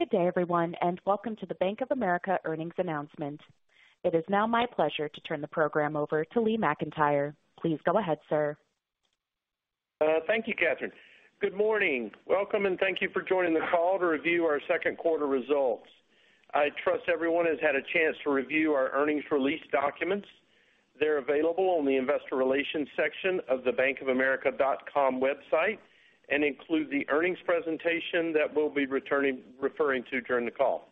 Good day, everyone, welcome to the Bank of America earnings announcement. It is now my pleasure to turn the program over to Lee McEntire. Please go ahead, sir. Thank you, Catherine. Good morning. Welcome, and thank you for joining the call to review our Q2 results. I trust everyone has had a chance to review our earnings release documents. They're available on the investor relations section of the bankofamerica.com website, and include the earnings presentation that we'll be referring to during the call.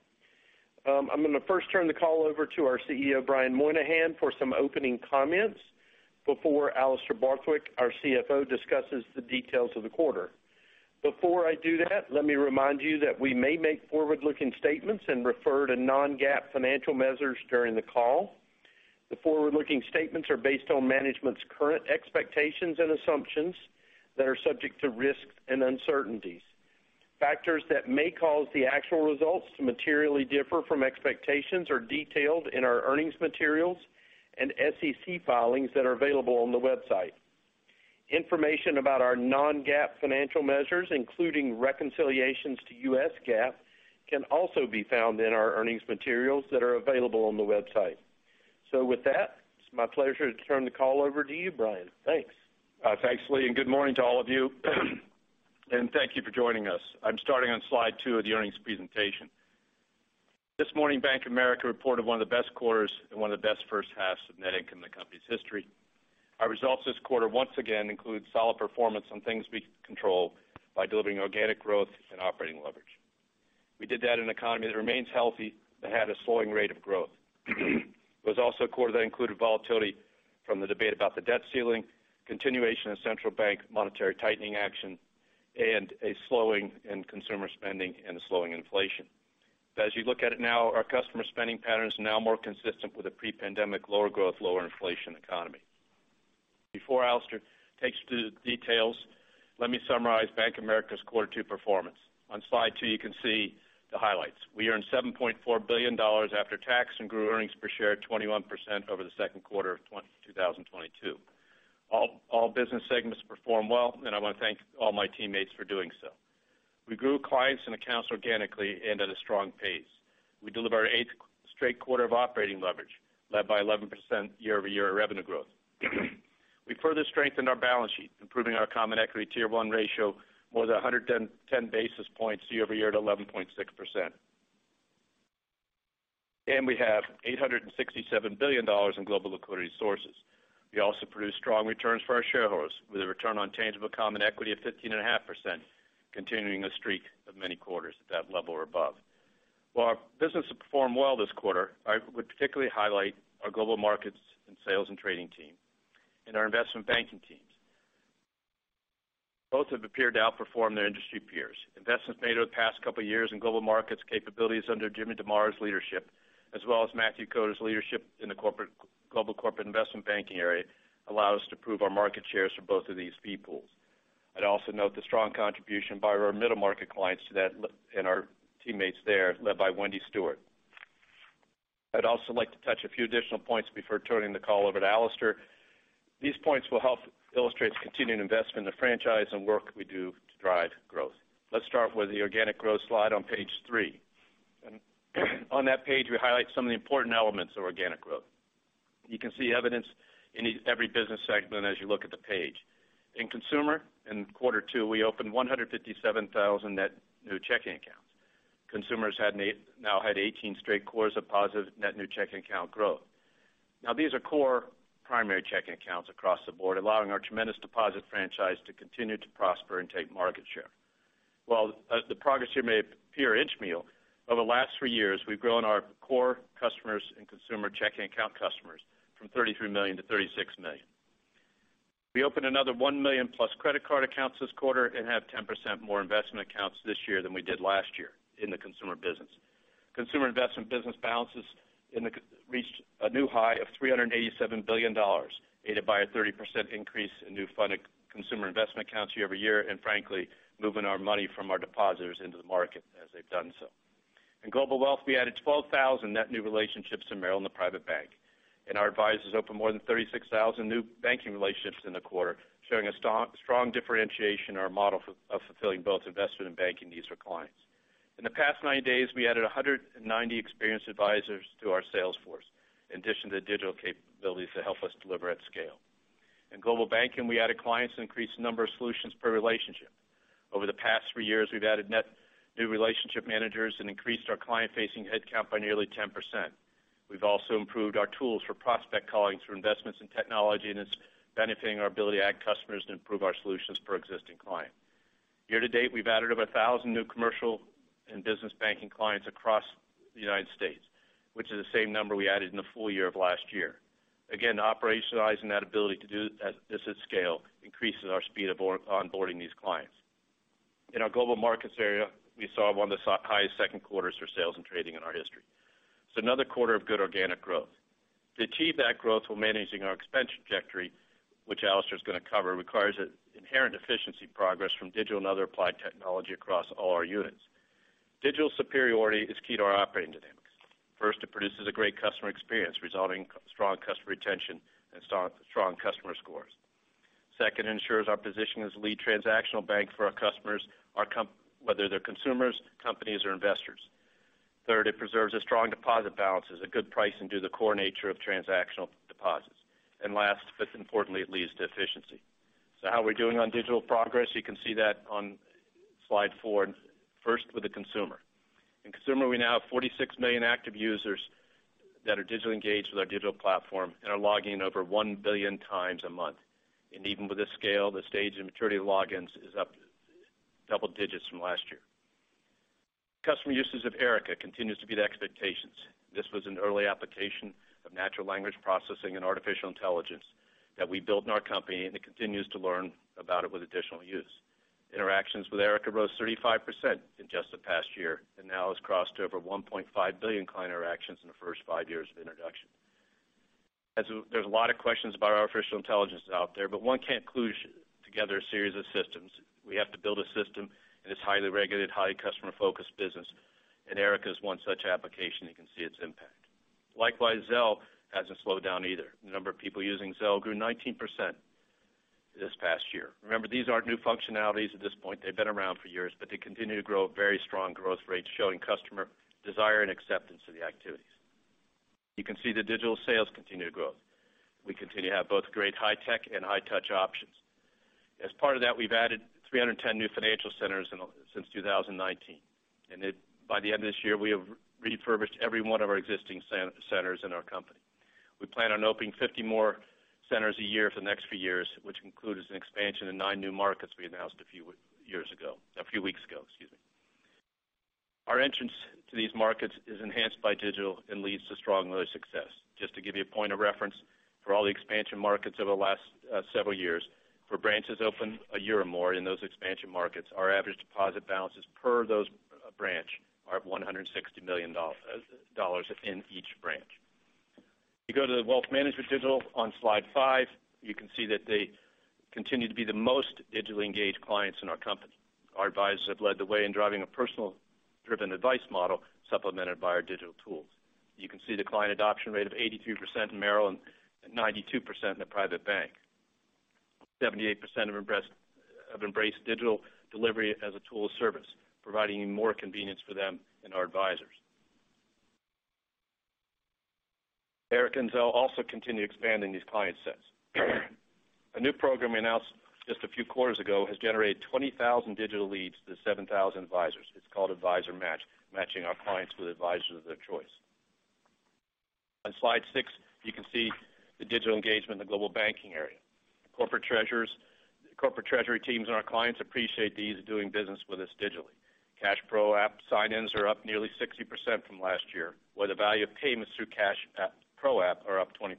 I'm gonna first turn the call over to our CEO, Brian Moynihan, for some opening comments before Alastair Borthwick, our CFO, discusses the details of the quarter. Before I do that, let me remind you that we may make forward-looking statements and refer to non-GAAP financial measures during the call. The forward-looking statements are based on management's current expectations and assumptions that are subject to risks and uncertainties. Factors that may cause the actual results to materially differ from expectations are detailed in our earnings materials and SEC filings that are available on the website. Information about our non-GAAP financial measures, including reconciliations to US GAAP, can also be found in our earnings materials that are available on the website. With that, it's my pleasure to turn the call over to you, Brian. Thanks. Thanks, Lee, good morning to all of you. Thank you for joining us. I'm starting on slide 2 of the earnings presentation. This morning, Bank of America reported one of the best quarters and one of the best first halves of net income in the company's history. Our results this quarter, once again, include solid performance on things we control by delivering organic growth and operating leverage. We did that in an economy that remains healthy, but had a slowing rate of growth. It was also a quarter that included volatility from the debate about the debt ceiling, continuation of central bank monetary tightening action, and a slowing in consumer spending and a slowing inflation. As you look at it now, our customer spending patterns are now more consistent with a pre-pandemic, lower growth, lower inflation economy. Before Alastair takes you through the details, let me summarize Bank of America's quarter two performance. On slide two, you can see the highlights. We earned $7.4 billion after tax and grew earnings per share 21% over the Q2 of 2022. All business segments performed well, and I want to thank all my teammates for doing so. We grew clients and accounts organically and at a strong pace. We delivered our eighth straight quarter of operating leverage, led by 11% year-over-year revenue growth. We further strengthened our balance sheet, improving our common equity tier one ratio more than 110 basis points year-over-year to 11.6%. We have $867 billion in global liquidity sources. We also produced strong returns for our shareholders, with a return on tangible common equity of 15.5%, continuing a streak of many quarters at that level or above. While our business has performed well this quarter, I would particularly highlight our Global Markets and Sales and Trading team and our Investment Banking teams. Both have appeared to outperform their industry peers. Investments made over the past couple of years in Global Markets capabilities under Jim DeMare's leadership, as well as Matthew Koder's leadership in the Global Corporate and Investment Banking area, allow us to prove our market shares for both of these people. I'd also note the strong contribution by our middle market clients to that, and our teammates there, led by Wendy Stewart. I'd also like to touch a few additional points before turning the call over to Alastair. These points will help illustrate the continuing investment in the franchise and work we do to drive growth. Let's start with the organic growth slide on page 3. On that page, we highlight some of the important elements of organic growth. You can see evidence in every business segment as you look at the page. In consumer, in Q2, we opened 157,000 net new checking accounts. Consumers had now had 18 straight quarters of positive net new checking account growth. These are core primary checking accounts across the board, allowing our tremendous deposit franchise to continue to prosper and take market share. While the progress here may appear inchmeal, over the last 3 years, we've grown our core customers and consumer checking account customers from 33 million to 36 million. We opened another 1 million-plus credit card accounts this quarter and have 10% more investment accounts this year than we did last year in the consumer business. Consumer investment business balances reached a new high of $387 billion, aided by a 30% increase in new funded consumer investment accounts year-over-year. Frankly, moving our money from our depositors into the market as they've done so. In global wealth, we added 12,000 net new relationships in Merrill, the private bank, and our advisors opened more than 36,000 new banking relationships in the quarter, showing a strong differentiation in our model of fulfilling both investment and banking needs for clients. In the past 90 days, we added 190 experienced advisors to our sales force, in addition to digital capabilities to help us deliver at scale. In global banking, we added clients and increased the number of solutions per relationship. Over the past 3 years, we've added net new relationship managers and increased our client-facing headcount by nearly 10%. We've also improved our tools for prospect calling through investments in technology, and it's benefiting our ability to add customers and improve our solutions for existing clients. Year to date, we've added over 1,000 new commercial and business banking clients across the United States, which is the same number we added in the full year of last year. Again, operationalizing that ability to do this at scale increases our speed of onboarding these clients. In our global markets area, we saw one of the highest Q2s for sales and trading in our history. It's another quarter of good organic growth. To achieve that growth while managing our expense trajectory, which Alastair is going to cover, requires an inherent efficiency progress from digital and other applied technology across all our units. Digital superiority is key to our operating dynamics. First, it produces a great customer experience, resulting in strong customer retention and strong customer scores. Second, it ensures our position as a lead transactional bank for our customers, whether they're consumers, companies, or investors. Third, it preserves a strong deposit balance as a good price and do the core nature of transactional deposits. Last, but importantly, it leads to efficiency. How are we doing on digital progress? You can see that on slide four, first with the consumer. In consumer, we now have 46 million active users that are digitally engaged with our digital platform and are logging in over 1 billion times a month. Even with this scale, the stage and maturity of logins is up double digits from last year. Customer uses of Erica continues to beat expectations. This was an early application of natural language processing and artificial intelligence that we built in our company, and it continues to learn about it with additional use. Interactions with Erica rose 35% in just the past year, and now has crossed over 1.5 billion client interactions in the first five years of introduction. There's a lot of questions about our artificial intelligence out there, but one can't glue together a series of systems. We have to build a system, it's highly regulated, highly customer-focused business, Erica is one such application you can see its impact. Likewise, Zelle hasn't slowed down either. The number of people using Zelle grew 19% this past year. Remember, these aren't new functionalities at this point. They've been around for years, they continue to grow at very strong growth rates, showing customer desire and acceptance of the activities. You can see the digital sales continue to grow. We continue to have both great high tech and high touch options. As part of that, we've added 310 new financial centers in, since 2019, by the end of this year, we have refurbished every one of our existing centers in our company. We plan on opening 50 more centers a year for the next few years, which includes an expansion in 9 new markets we announced a few years ago, a few weeks ago, excuse me. Our entrance to these markets is enhanced by digital and leads to strong load success. Just to give you a point of reference, for all the expansion markets over the last several years, for branches open a year or more in those expansion markets, our average deposit balances per those branch are $160 million in each branch. You go to the wealth management digital on slide 5, you can see that they continue to be the most digitally engaged clients in our company. Our advisors have led the way in driving a personal-driven advice model, supplemented by our digital tools. You can see the client adoption rate of 83% in Maryland, and 92% in the private bank. 78% have embraced digital delivery as a tool of service, providing more convenience for them and our advisors. Erica and Zelle also continue expanding these client sets. A new program we announced just a few quarters ago, has generated 20,000 digital leads to 7,000 advisors. It's called Advisor Match, matching our clients with advisors of their choice. On slide 6, you can see the digital engagement in the global banking area. Corporate treasurers, corporate treasury teams, and our clients appreciate the ease of doing business with us digitally. CashPro app sign-ins are up nearly 60% from last year, where the value of payments through CashPro app are up 20%.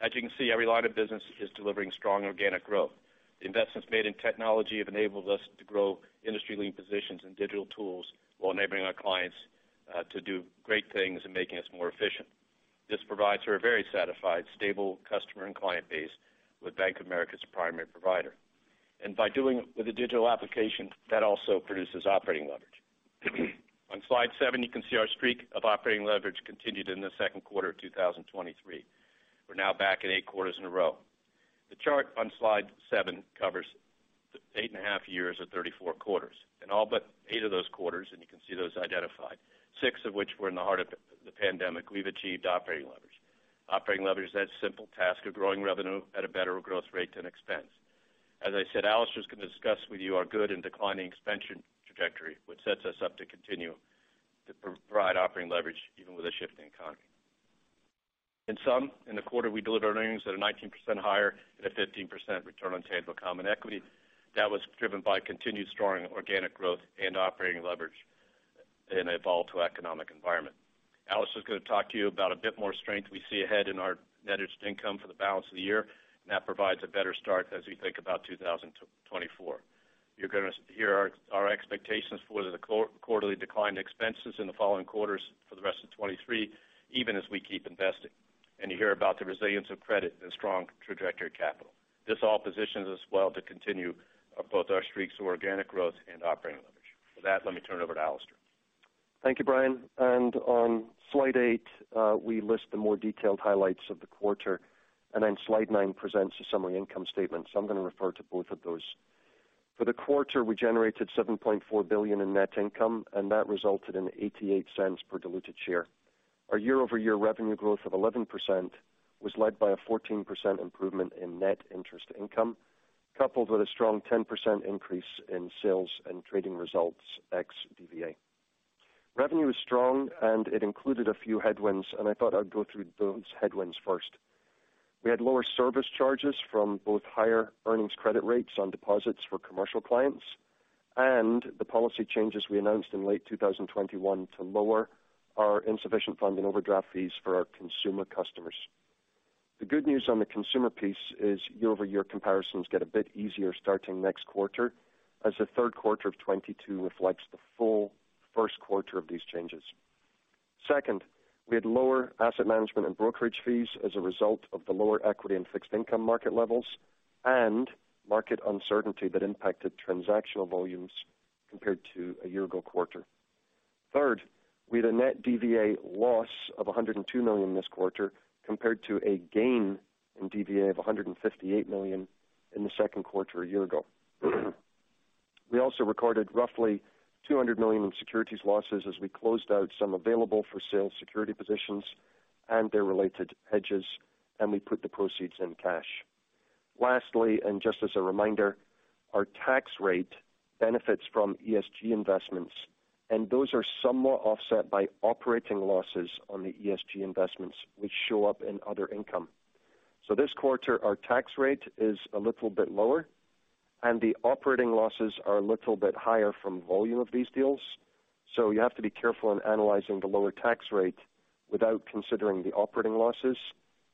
As you can see, every line of business is delivering strong organic growth. Investments made in technology have enabled us to grow industry-leading positions in digital tools while enabling our clients to do great things and making us more efficient. This provides for a very satisfied, stable customer and client base, with Bank of America's primary provider. By doing it with a digital application, that also produces operating leverage. On slide 7, you can see our streak of operating leverage continued in the Q2 of 2023. We're now back at eight quarters in a row. The chart on slide 7 covers eight and a half years or 34 quarters, all but eight of those quarters, and you can see those identified, six of which were in the heart of the pandemic, we've achieved operating leverage. Operating leverage is that simple task of growing revenue at a better growth rate than expense. As I said, Alistair is going to discuss with you our good and declining expansion trajectory, which sets us up to continue to provide operating leverage even with a shifting economy. In sum, in the quarter, we delivered earnings that are 19% higher and a 15% return on tangible common equity. That was driven by continued strong organic growth and operating leverage in a volatile economic environment. Alistair is going to talk to you about a bit more strength we see ahead in our net interest income for the balance of the year, and that provides a better start as we think about 2024. You're gonna hear our expectations for the quarterly decline in expenses in the following quarters for the rest of 23, even as we keep investing, and you hear about the resilience of credit and strong trajectory of capital. This all positions us well to continue both our streaks of organic growth and operating leverage. For that, let me turn it over to Alistair. Thank you, Brian. On slide 8, we list the more detailed highlights of the quarter, slide 9 presents a summary income statement. I'm going to refer to both of those. For the quarter, we generated $7.4 billion in net income, and that resulted in $0.88 per diluted share. Our year-over-year revenue growth of 11% was led by a 14% improvement in net interest income, coupled with a strong 10% increase in sales and trading results ex-DVA. Revenue is strong, it included a few headwinds, I thought I'd go through those headwinds first. We had lower service charges from both higher earnings credit rates on deposits for commercial clients and the policy changes we announced in late 2021 to lower our insufficient funding overdraft fees for our consumer customers. The good news on the consumer piece is year-over-year comparisons get a bit easier starting next quarter, as the Q3 of 2022 reflects the full Q1 of these changes. Second, we had lower asset management and brokerage fees as a result of the lower equity and fixed income market levels, and market uncertainty that impacted transactional volumes compared to a year ago quarter. Third, we had a net DVA loss of $102 million this quarter, compared to a gain in DVA of $158 million in the Q2 a year ago. We also recorded roughly $200 million in securities losses as we closed out some available-for-sale security positions and their related hedges. We put the proceeds in cash. Lastly, and just as a reminder, our tax rate benefits from ESG investments, and those are somewhat offset by operating losses on the ESG investments, which show up in other income. This quarter, our tax rate is a little bit lower, and the operating losses are a little bit higher from volume of these deals. You have to be careful in analyzing the lower tax rate without considering the operating losses,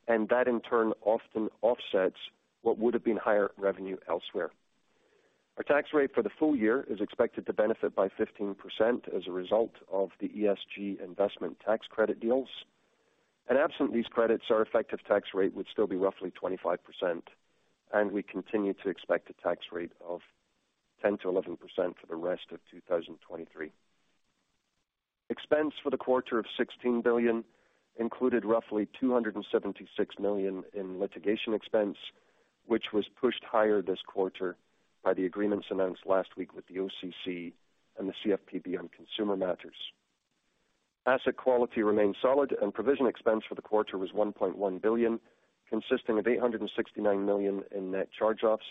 and that, in turn, often offsets what would have been higher revenue elsewhere. Our tax rate for the full year is expected to benefit by 15% as a result of the ESG investment tax credit deals. Absent these credits, our effective tax rate would still be roughly 25%, and we continue to expect a tax rate of 10%-11% for the rest of 2023. Expense for the quarter of $16 billion included roughly $276 million in litigation expense, which was pushed higher this quarter by the agreements announced last week with the OCC and the CFPB on consumer matters. Asset quality remained solid, provision expense for the quarter was $1.1 billion, consisting of $869 million in net charge-offs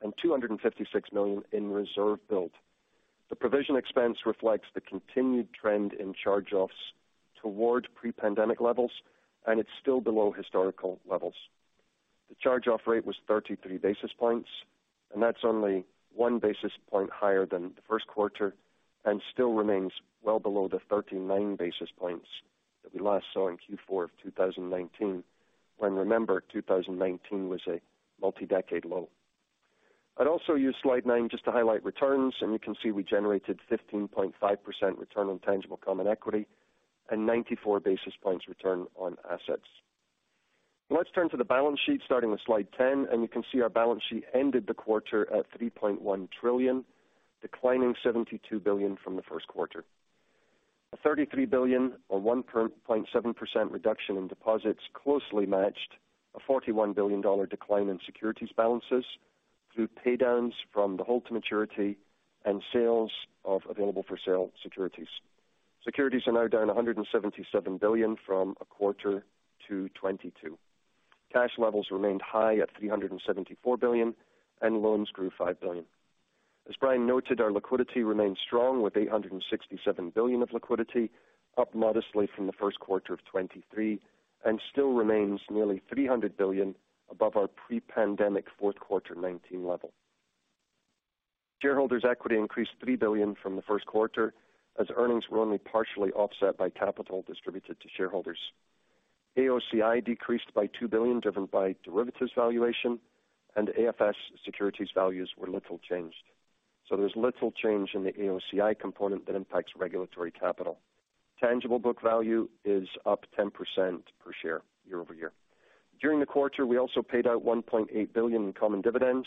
and $256 million in reserve build. The provision expense reflects the continued trend in charge-offs toward pre-pandemic levels, it's still below historical levels. The charge-off rate was 33 basis points, that's only 1 basis point higher than the Q1 and still remains well below the 39 basis points that we last saw in Q4 of 2019. Remember, 2019 was a multi-decade low. I'd also use slide 9 just to highlight returns. You can see we generated 15.5% return on tangible common equity and 94 basis points return on assets. Let's turn to the balance sheet, starting with slide 10. You can see our balance sheet ended the quarter at $3.1 trillion, declining $72 billion from the Q1. A $33 billion, or 1.7% reduction in deposits, closely matched a $41 billion decline in securities balances through pay downs from the hold to maturity and sales of available for sale securities. Securities are now down $177 billion from a quarter to 2022. Cash levels remained high at $374 billion, and loans grew $5 billion. As Brian noted, our liquidity remains strong, with $867 billion of liquidity, up modestly from the Q1 of 2023, and still remains nearly $300 billion above our pre-pandemic Q4 2019 level. Shareholders' equity increased $3 billion from the Q1, as earnings were only partially offset by capital distributed to shareholders. AOCI decreased by $2 billion, driven by derivatives valuation, and AFS securities values were little changed. There's little change in the AOCI component that impacts regulatory capital. Tangible book value is up 10% per share year-over-year. During the quarter, we also paid out $1.8 billion in common dividends,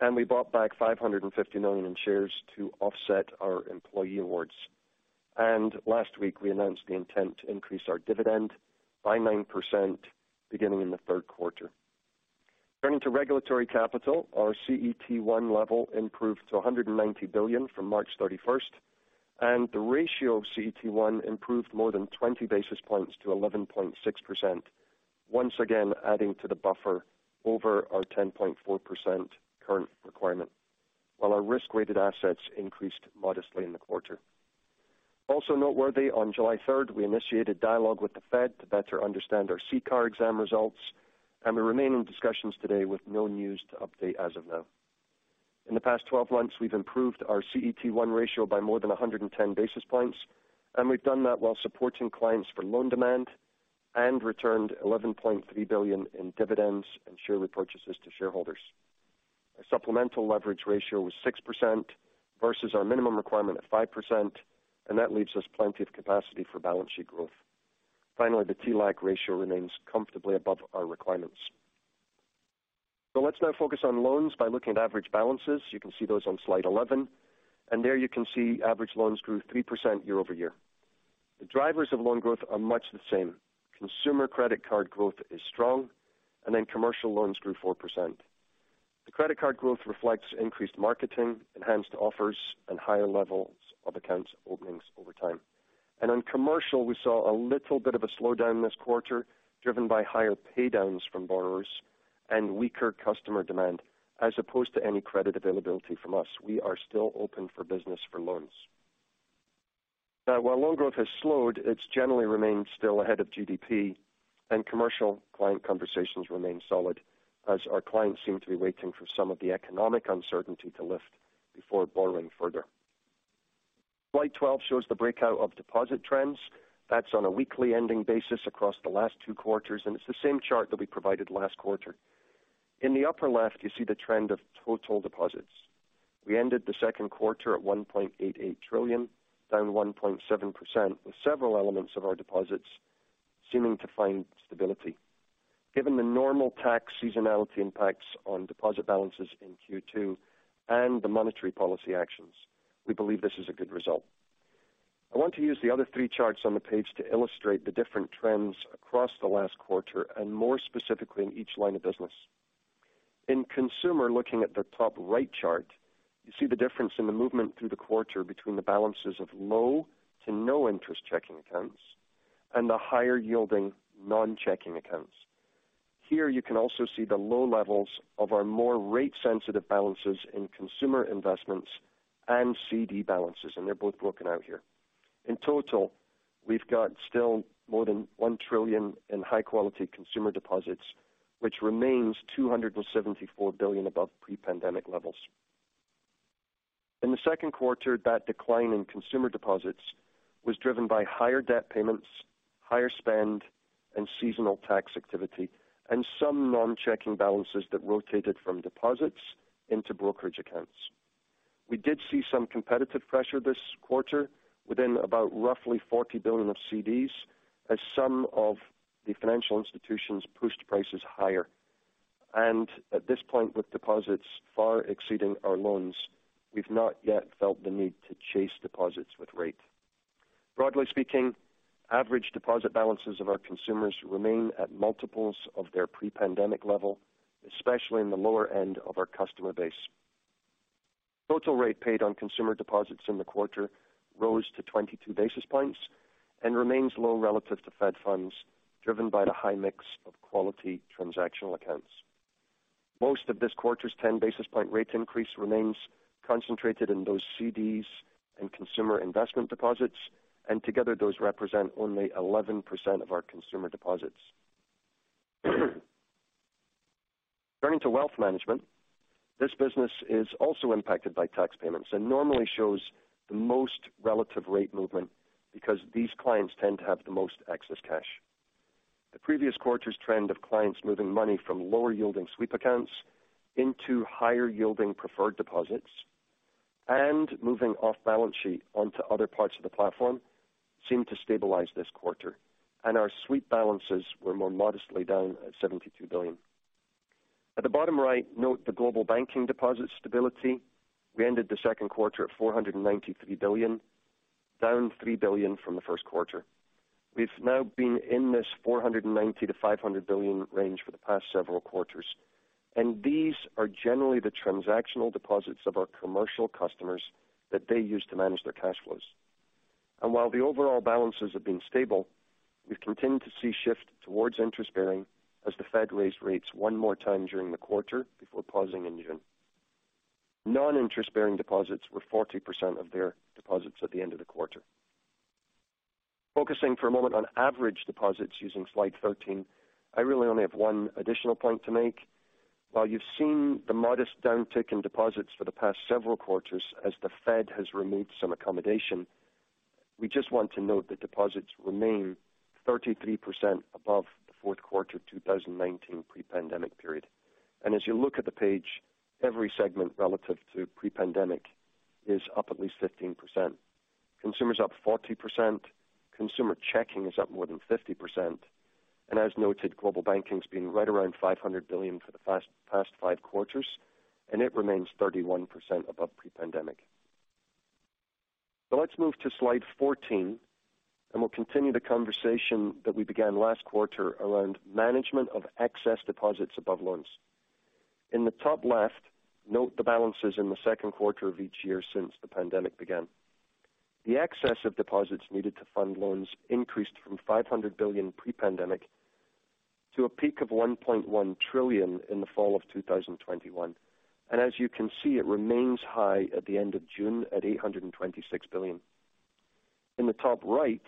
and we bought back $550 million in shares to offset our employee awards. Last week, we announced the intent to increase our dividend by 9% beginning in the Q3. Turning to regulatory capital, our CET1 level improved to $190 billion from March 31st. The ratio of CET1 improved more than 20 basis points to 11.6%. Once again, adding to the buffer over our 10.4% current requirement, while our risk-weighted assets increased modestly in the quarter. Also noteworthy, on July 3rd, we initiated dialogue with the Fed to better understand our CCAR exam results. We remain in discussions today with no news to update as of now. In the past 12 months, we've improved our CET1 ratio by more than 110 basis points. We've done that while supporting clients for loan demand and returned $11.3 billion in dividends and share repurchases to shareholders. Our supplemental leverage ratio was 6% versus our minimum requirement of 5%, and that leaves us plenty of capacity for balance sheet growth. Finally, the TLAC ratio remains comfortably above our requirements. Let's now focus on loans by looking at average balances. You can see those on slide 11, and there you can see average loans grew 3% year-over-year. The drivers of loan growth are much the same. Consumer credit card growth is strong, and then commercial loans grew 4%. The credit card growth reflects increased marketing, enhanced offers, and higher levels of accounts openings over time. On commercial, we saw a little bit of a slowdown this quarter, driven by higher pay downs from borrowers and weaker customer demand as opposed to any credit availability from us. We are still open for business for loans. Now, while loan growth has slowed, it's generally remained still ahead of GDP, and commercial client conversations remain solid as our clients seem to be waiting for some of the economic uncertainty to lift before borrowing further. Slide 12 shows the breakout of deposit trends. That's on a weekly ending basis across the last 2 quarters, and it's the same chart that we provided last quarter. In the upper left, you see the trend of total deposits. We ended the Q2 at $1.88 trillion, down 1.7%, with several elements of our deposits seeming to find stability. Given the normal tax seasonality impacts on deposit balances in Q2 and the monetary policy actions, we believe this is a good result. I want to use the other 3 charts on the page to illustrate the different trends across the last quarter, and more specifically, in each line of business. In consumer, looking at the top right chart, you see the difference in the movement through the quarter between the balances of low to no interest checking accounts and the higher yielding non-checking accounts. Here you can also see the low levels of our more rate-sensitive balances in consumer investments and CD balances, and they're both broken out here. In total, we've got still more than $1 trillion in high-quality consumer deposits, which remains $274 billion above pre-pandemic levels. In the Q2, that decline in consumer deposits was driven by higher debt payments, higher spend, and seasonal tax activity, and some non-checking balances that rotated from deposits into brokerage accounts. We did see some competitive pressure this quarter within about roughly $40 billion of CDs, as some of the financial institutions pushed prices higher. At this point, with deposits far exceeding our loans, we've not yet felt the need to chase deposits with rate. Broadly speaking, average deposit balances of our consumers remain at multiples of their pre-pandemic level, especially in the lower end of our customer base. Total rate paid on consumer deposits in the quarter rose to 22 basis points and remains low relative to Fed funds, driven by the high mix of quality transactional accounts. Most of this quarter's 10 basis point rate increase remains concentrated in those CDs and consumer investment deposits, and together, those represent only 11% of our consumer deposits. Turning to wealth management, this business is also impacted by tax payments and normally shows the most relative rate movement because these clients tend to have the most excess cash. The previous quarter's trend of clients moving money from lower yielding sweep accounts into higher yielding preferred deposits and moving off balance sheet onto other parts of the platform, seemed to stabilize this quarter, and our sweep balances were more modestly down at $72 billion. At the bottom right, note the global banking deposit stability. We ended the Q2 at $493 billion, down $3 billion from the Q1. We've now been in this $490 billion-$500 billion range for the past several quarters, and these are generally the transactional deposits of our commercial customers that they use to manage their cash flows. While the overall balances have been stable, we've continued to see shift towards interest bearing as the Fed raised rates one more time during the quarter before pausing in June. Non-interest-bearing deposits were 40% of their deposits at the end of the quarter. Focusing for a moment on average deposits using slide 13, I really only have one additional point to make. While you've seen the modest downtick in deposits for the past several quarters as the Fed has removed some accommodation, we just want to note that deposits remain 33% above the Q4, 2019 pre-pandemic period. As you look at the page, every segment relative to pre-pandemic is up at least 15%. Consumer's up 40%, consumer checking is up more than 50%. As noted, global banking's been right around $500 billion for the past five quarters. It remains 31% above pre-pandemic. Let's move to slide 14. We'll continue the conversation that we began last quarter around management of excess deposits above loans. In the top left, note the balances in the Q2 of each year since the pandemic began. The excess of deposits needed to fund loans increased from $500 billion pre-pandemic to a peak of $1.1 trillion in the fall of 2021. As you can see, it remains high at the end of June at $826 billion. In the top right,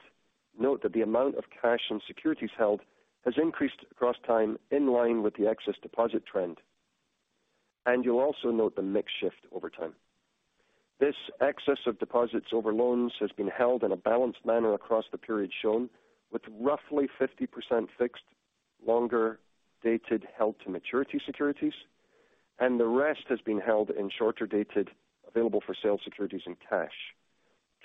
note that the amount of cash and securities held has increased across time, in line with the excess deposit trend. You'll also note the mix shift over time. This excess of deposits over loans has been held in a balanced manner across the period shown, with roughly 50% fixed, longer-dated, held to maturity securities, and the rest has been held in shorter-dated, available-for-sale securities and cash.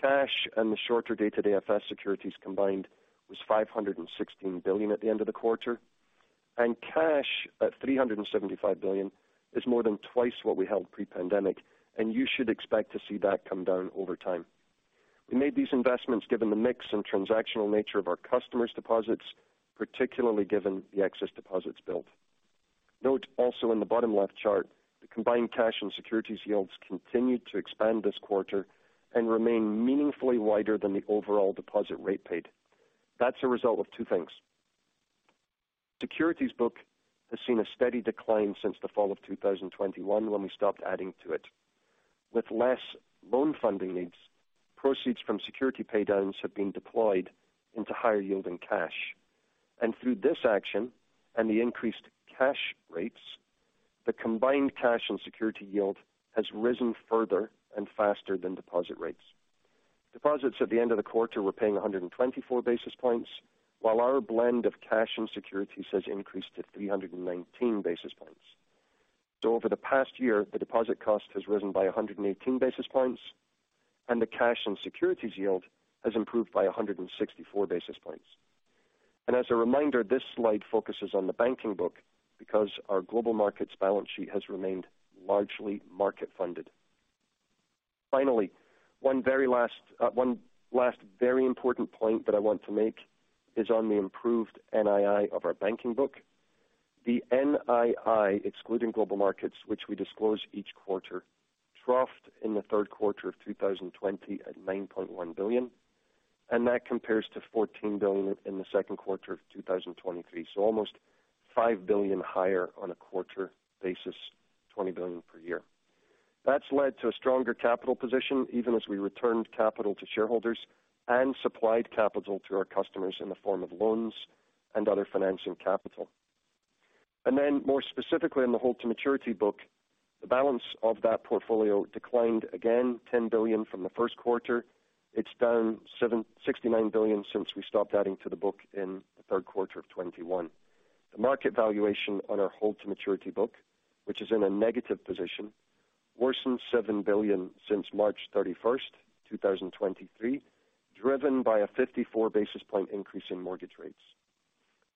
Cash and the shorter-dated AFS securities combined was $516 billion at the end of the quarter, and cash, at $375 billion, is more than twice what we held pre-pandemic, and you should expect to see that come down over time. We made these investments given the mix and transactional nature of our customers' deposits, particularly given the excess deposits built. Note also in the bottom left chart, the combined cash and securities yields continued to expand this quarter and remain meaningfully wider than the overall deposit rate paid. That's a result of two things. Securities book has seen a steady decline since the fall of 2021, when we stopped adding to it. With less loan funding needs, proceeds from security paydowns have been deployed into higher yielding cash, and through this action and the increased cash rates, the combined cash and security yield has risen further and faster than deposit rates. Deposits at the end of the quarter were paying 124 basis points, while our blend of cash and securities has increased to 319 basis points. Over the past year, the deposit cost has risen by 118 basis points, and the cash and securities yield has improved by 164 basis points. As a reminder, this slide focuses on the banking book because our global markets balance sheet has remained largely market-funded. Finally, one very last, one last very important point that I want to make is on the improved NII of our banking book. The NII, excluding global markets, which we disclose each quarter, troughed in the Q3 of 2020 at $9.1 billion, and that compares to $14 billion in the Q2 of 2023. Almost $5 billion higher on a quarter basis, $20 billion per year. That's led to a stronger capital position, even as we returned capital to shareholders and supplied capital to our customers in the form of loans and other financing capital. More specifically, on the hold-to-maturity book, the balance of that portfolio declined again, $10 billion from the Q1. It's down $69 billion since we stopped adding to the book in the Q3 of 2021. The market valuation on our hold-to-maturity book, which is in a negative position, worsened $7 billion since March 31, 2023, driven by a 54 basis point increase in mortgage rates.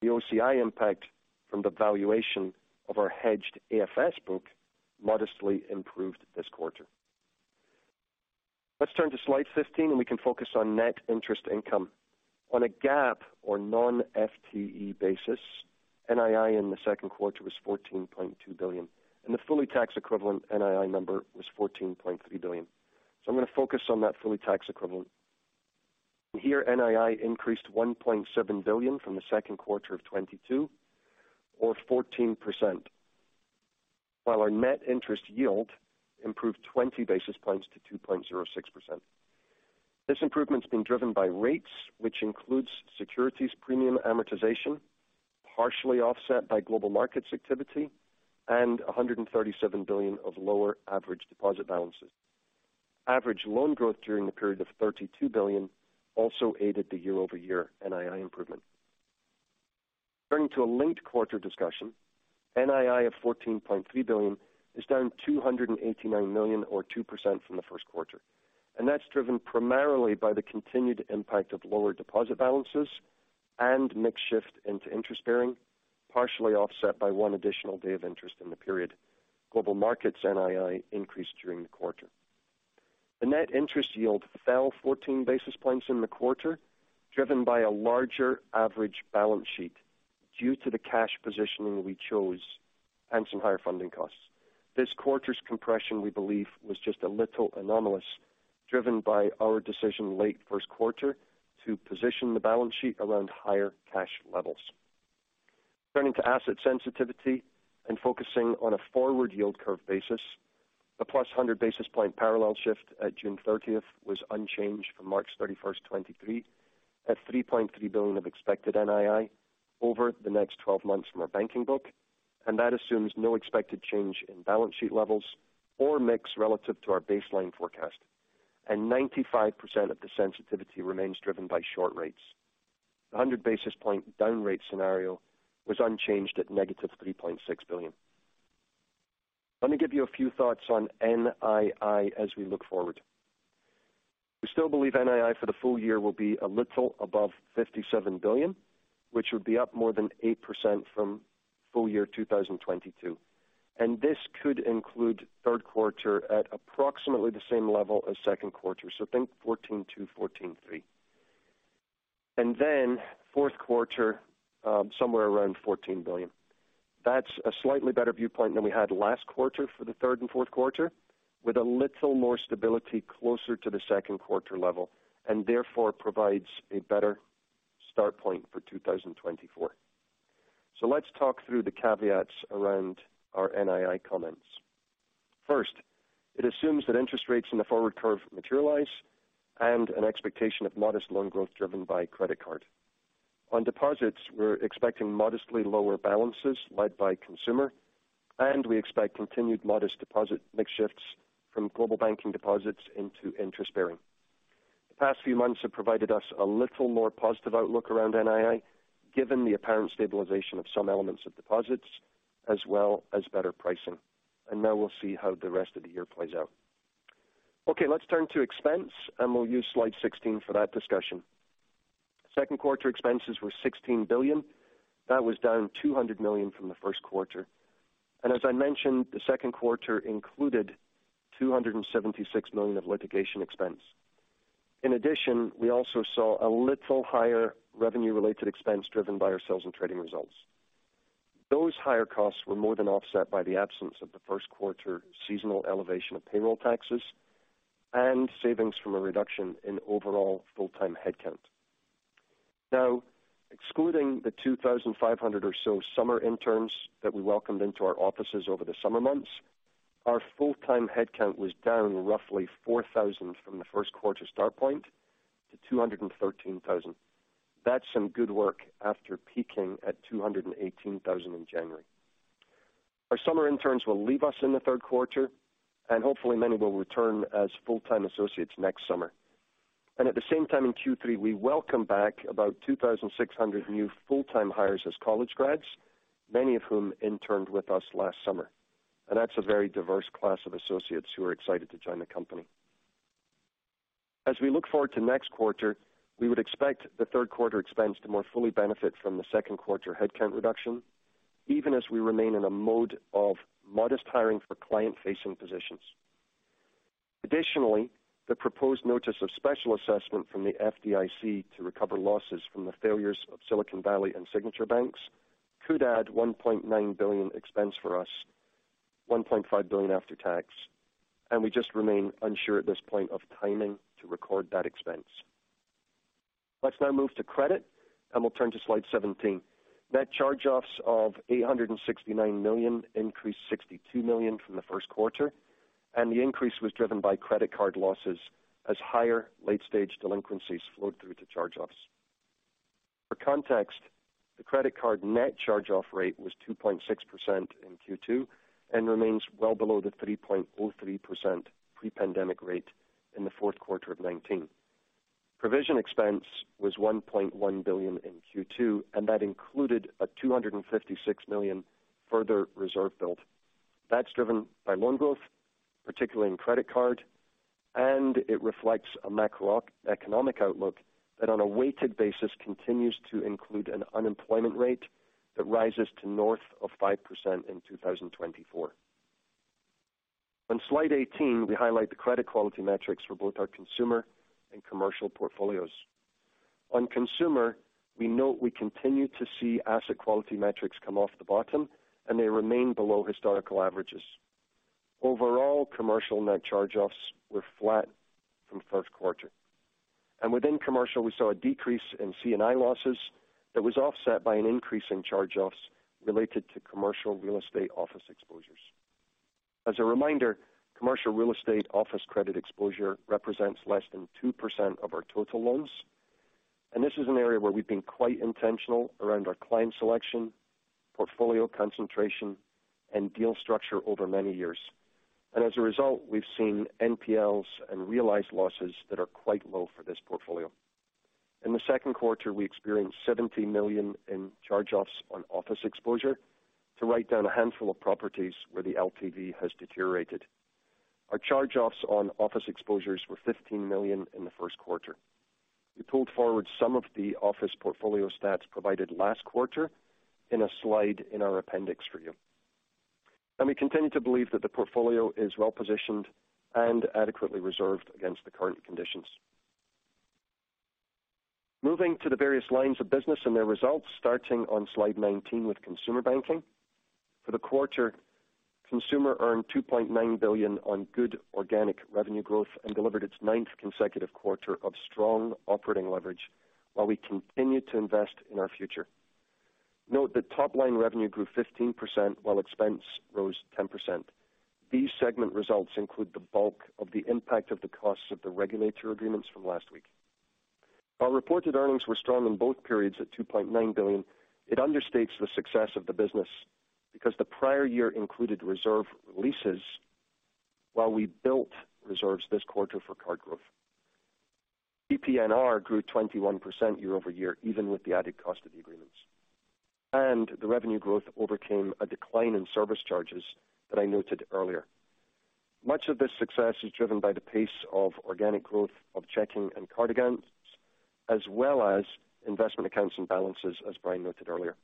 The OCI impact from the valuation of our hedged AFS book modestly improved this quarter. Let's turn to slide 15. We can focus on net interest income. On a GAAP or non-FTE basis, NII in the Q2 was $14.2 billion. The fully tax equivalent NII number was $14.3 billion. I'm gonna focus on that fully tax equivalent. Here, NII increased $1.7 billion from the Q2 of 2022, or 14%, while our net interest yield improved 20 basis points to 2.06%. This improvement's been driven by rates, which includes securities premium amortization, partially offset by Global Markets activity and $137 billion of lower average deposit balances. Average loan growth during the period of $32 billion also aided the year-over-year NII improvement. Turning to a linked quarter discussion, NII of $14.3 billion is down $289 million or 2% from the Q1. That's driven primarily by the continued impact of lower deposit balances and mix shift into interest bearing, partially offset by one additional day of interest in the period. Global Markets NII increased during the quarter. The net interest yield fell 14 basis points in the quarter, driven by a larger average balance sheet due to the cash positioning we chose and some higher funding costs. This quarter's compression, we believe, was just a little anomalous, driven by our decision late Q1 to position the balance sheet around higher cash levels. Turning to asset sensitivity and focusing on a forward yield curve basis, the +100 basis point parallel shift at June thirtieth was unchanged from March thirty-first, 2023, at $3.3 billion of expected NII over the next 12 months from our banking book, and that assumes no expected change in balance sheet levels or mix relative to our baseline forecast. Ninety-five percent of the sensitivity remains driven by short rates. The 100 basis point down rate scenario was unchanged at negative $3.6 billion. Let me give you a few thoughts on NII as we look forward. We still believe NII for the full year will be a little above $57 billion, which would be up more than 8% from full year 2022. This could include Q3 at approximately the same level as Q2. Think $14.2 billion, $14.3 billion. Then Q4, somewhere around $14 billion. That's a slightly better viewpoint than we had last quarter for the third and Q4, with a little more stability closer to the Q2 level, and therefore provides a better start point for 2024. Let's talk through the caveats around our NII comments. First, it assumes that interest rates in the forward curve materialize and an expectation of modest loan growth driven by credit card. On deposits, we're expecting modestly lower balances led by consumer, and we expect continued modest deposit mix shifts from global banking deposits into interest-bearing. The past few months have provided us a little more positive outlook around NII, given the apparent stabilization of some elements of deposits as well as better pricing. Now we'll see how the rest of the year plays out. Okay, let's turn to expense, and we'll use slide 16 for that discussion. Q2 expenses were $16 billion. That was down $200 million from the Q1. As I mentioned, the Q2 included $276 million of litigation expense. In addition, we also saw a little higher revenue-related expense driven by our sales and trading results. Those higher costs were more than offset by the absence of the Q1 seasonal elevation of payroll taxes and savings from a reduction in overall full-time headcount. Excluding the 2,500 or so summer interns that we welcomed into our offices over the summer months, our full-time headcount was down roughly 4,000 from the Q1 start point to 213,000. That's some good work after peaking at 218,000 in January. Our summer interns will leave us in the Q3, and hopefully many will return as full-time associates next summer. At the same time, in Q3, we welcomed back about 2,600 new full-time hires as college grads, many of whom interned with us last summer. That's a very diverse class of associates who are excited to join the company. As we look forward to next quarter, we would expect the Q3 expense to more fully benefit from the Q2 headcount reduction, even as we remain in a mode of modest hiring for client-facing positions. The proposed notice of special assessment from the FDIC to recover losses from the failures of Silicon Valley and Signature Bank could add $1.9 billion expense for us, $1.5 billion after tax. We just remain unsure at this point of timing to record that expense. Let's now move to credit. We'll turn to slide 17. Net charge-offs of $869 million increased $62 million from the Q1. The increase was driven by credit card losses as higher late-stage delinquencies flowed through to charge-offs. For context, the credit card net charge-off rate was 2.6% in Q2 and remains well below the 3.03% pre-pandemic rate in the Q4 of 2019. Provision expense was $1.1 billion in Q2, and that included a $256 million further reserve build. That's driven by loan growth, particularly in credit card, and it reflects a macroeconomic outlook that, on a weighted basis, continues to include an unemployment rate that rises to north of 5% in 2024. On slide 18, we highlight the credit quality metrics for both our consumer and commercial portfolios. On consumer, we note we continue to see asset quality metrics come off the bottom, and they remain below historical averages. Overall, commercial net charge-offs were flat from Q1, and within commercial, we saw a decrease in CNI losses that was offset by an increase in charge-offs related to commercial real estate office exposures. As a reminder, commercial real estate office credit exposure represents less than 2% of our total loans, and this is an area where we've been quite intentional around our client selection, portfolio concentration, and deal structure over many years. As a result, we've seen NPLs and realized losses that are quite low for this portfolio. In the Q2, we experienced $70 million in charge-offs on office exposure to write down a handful of properties where the LTV has deteriorated. Our charge-offs on office exposures were $15 million in the Q1. We pulled forward some of the office portfolio stats provided last quarter in a slide in our appendix for you. We continue to believe that the portfolio is well-positioned and adequately reserved against the current conditions. Moving to the various lines of business and their results, starting on slide 19 with consumer banking. For the quarter, consumer earned $2.9 billion on good organic revenue growth and delivered its ninth consecutive quarter of strong operating leverage while we continued to invest in our future. Note that top-line revenue grew 15%, while expense rose 10%. These segment results include the bulk of the impact of the costs of the regulatory agreements from last week. While reported earnings were strong in both periods at $2.9 billion, it understates the success of the business because the prior year included reserve releases while we built reserves this quarter for card growth. PPNR grew 21% year-over-year, even with the added cost of the agreements. The revenue growth overcame a decline in service charges that I noted earlier. Much of this success is driven by the pace of organic growth of checking and card accounts, as well as investment accounts and balances, as Brian noted earlier.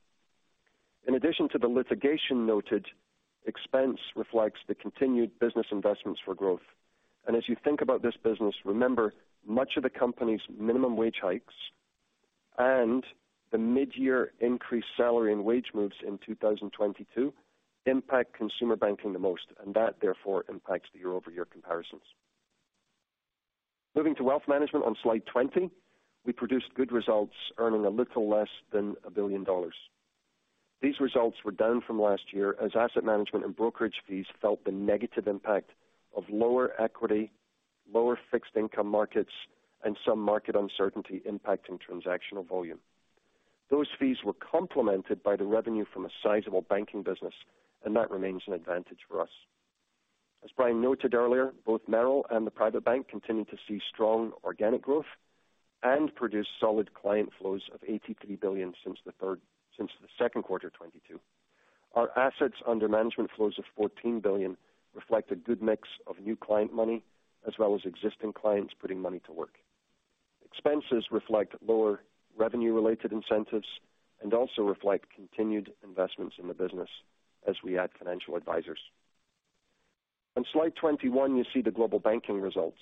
In addition to the litigation noted, expense reflects the continued business investments for growth. As you think about this business, remember, much of the company's minimum wage hikes and the mid-year increased salary and wage moves in 2022 impact consumer banking the most, and that, therefore, impacts the year-over-year comparisons. Moving to wealth management on slide 20, we produced good results, earning a little less than $1 billion. These results were down from last year as asset management and brokerage fees felt the negative impact of lower equity, lower fixed income markets, and some market uncertainty impacting transactional volume. That remains an advantage for us. As Brian noted earlier, both Merrill and the private bank continued to see strong organic growth and produced solid client flows of $83 billion since the Q2 of 2022. Our assets under management flows of $14 billion reflect a good mix of new client money, as well as existing clients putting money to work. Expenses reflect lower revenue-related incentives and also reflect continued investments in the business as we add financial advisors. On slide 21, you see the global banking results.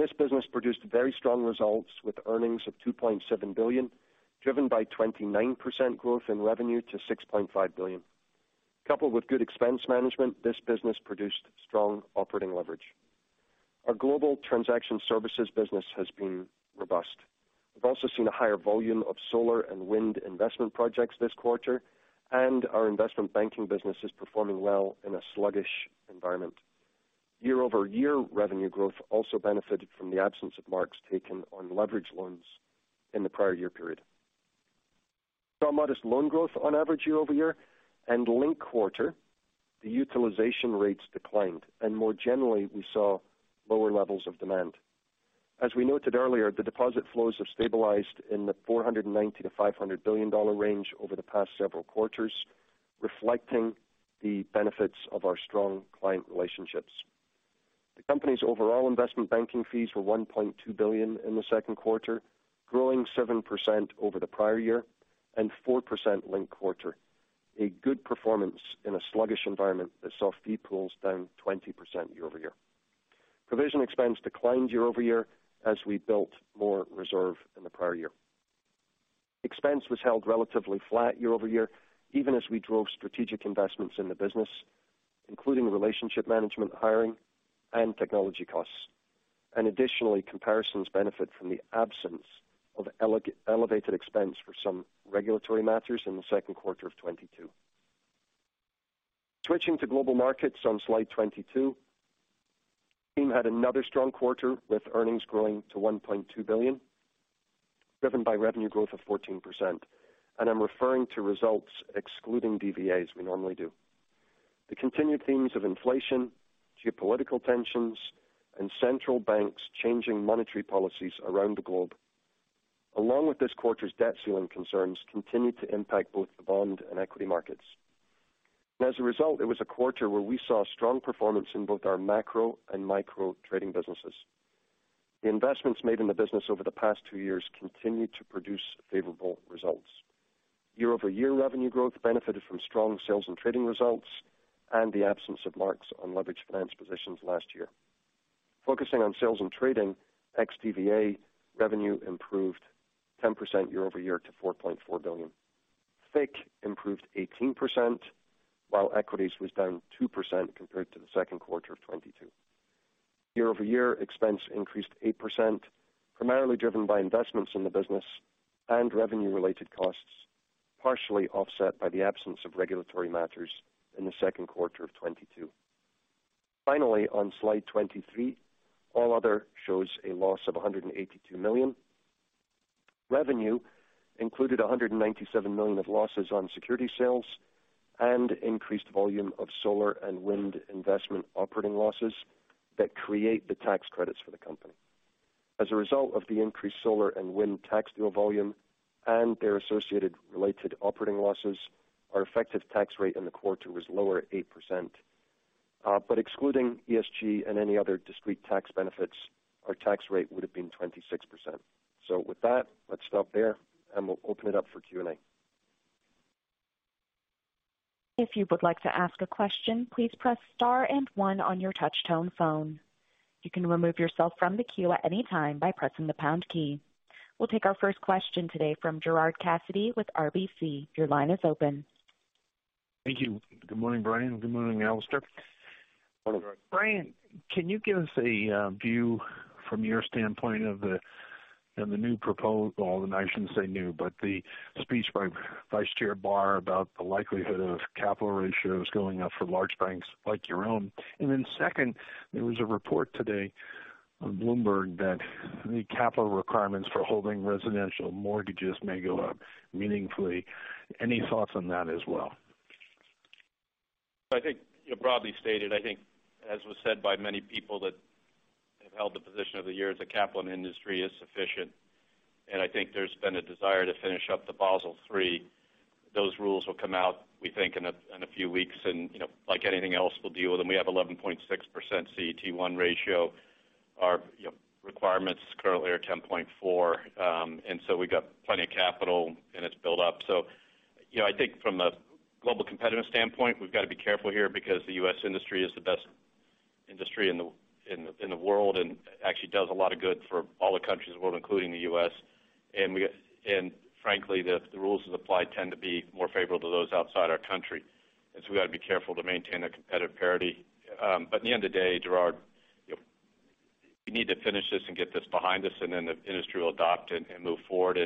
This business produced very strong results with earnings of $2.7 billion, driven by 29% growth in revenue to $6.5 billion. Coupled with good expense management, this business produced strong operating leverage. Our global transaction services business has been robust. We've also seen a higher volume of solar and wind investment projects this quarter. Our investment banking business is performing well in a sluggish environment. Year-over-year revenue growth also benefited from the absence of marks taken on leverage loans in the prior year period. Saw modest loan growth on average year-over-year and linked quarter, the utilization rates declined, and more generally, we saw lower levels of demand. As we noted earlier, the deposit flows have stabilized in the $490 billion-$500 billion range over the past several quarters, reflecting the benefits of our strong client relationships. The company's overall investment banking fees were $1.2 billion in the Q2, growing 7% over the prior year and 4% linked quarter. A good performance in a sluggish environment that saw fee pools down 20% year over year. Provision expense declined year over year as we built more reserve in the prior year. Expense was held relatively flat year over year, even as we drove strategic investments in the business, including relationship management, hiring, and technology costs. Additionally, comparisons benefit from the absence of elevated expense for some regulatory matters in the Q2 of 2022. Switching to global markets on slide 22, team had another strong quarter, with earnings growing to $1.2 billion, driven by revenue growth of 14%. I'm referring to results excluding DVAs, we normally do. The continued themes of inflation, geopolitical tensions, and central banks changing monetary policies around the globe, along with this quarter's debt ceiling concerns, continued to impact both the bond and equity markets. As a result, it was a quarter where we saw strong performance in both our macro and micro trading businesses. The investments made in the business over the past 2 years continued to produce favorable results. Year-over-year revenue growth benefited from strong sales and trading results and the absence of marks on leveraged finance positions last year. Focusing on sales and trading, XDVA revenue improved 10% year-over-year to $4.4 billion. FIC improved 18%, while equities was down 2% compared to the Q2 of 2022. Year-over-year expense increased 8%, primarily driven by investments in the business and revenue-related costs, partially offset by the absence of regulatory matters in the Q2 of 2022. On slide 23, all other shows a loss of $182 million. Revenue included $197 million of losses on security sales and increased volume of solar and wind investment operating losses that create the tax credits for the company. As a result of the increased solar and wind tax deal volume and their associated related operating losses, our effective tax rate in the quarter was lower at 8%. Excluding ESG and any other discrete tax benefits, our tax rate would have been 26%. With that, let's stop there, and we'll open it up for Q&A. If you would like to ask a question, please press star and one on your touch tone phone. You can remove yourself from the queue at any time by pressing the pound key. We'll take our first question today from Gerard Cassidy with RBC. Your line is open. Thank you. Good morning, Brian. Good morning, Alistair. Hello, Gerard. Brian, can you give us a view from your standpoint of the, of the new proposal, and I shouldn't say new, but the speech by Vice Chair Barr about the likelihood of capital ratios going up for large banks like your own? Second, there was a report today on Bloomberg that the capital requirements for holding residential mortgages may go up meaningfully. Any thoughts on that as well? I think, you know, broadly stated, I think, as was said by many people, that have held the position over the years, the capital in the industry is sufficient, and I think there's been a desire to finish up the Basel III. Those rules will come out, we think, in a few weeks, and, you know, like anything else, we'll deal with them. We have 11.6% CET1 ratio. Our, you know, requirements currently are 10.4, and so we've got plenty of capital in its build up. You know, I think from a global competitive standpoint, we've got to be careful here because the US industry is the best industry in the world, and actually does a lot of good for all the countries of the world, including the US. We, frankly, the rules that apply tend to be more favorable to those outside our country, we've got to be careful to maintain a competitive parity. At the end of the day, Gerard, you know, we need to finish this and get this behind us, the industry will adopt and move forward.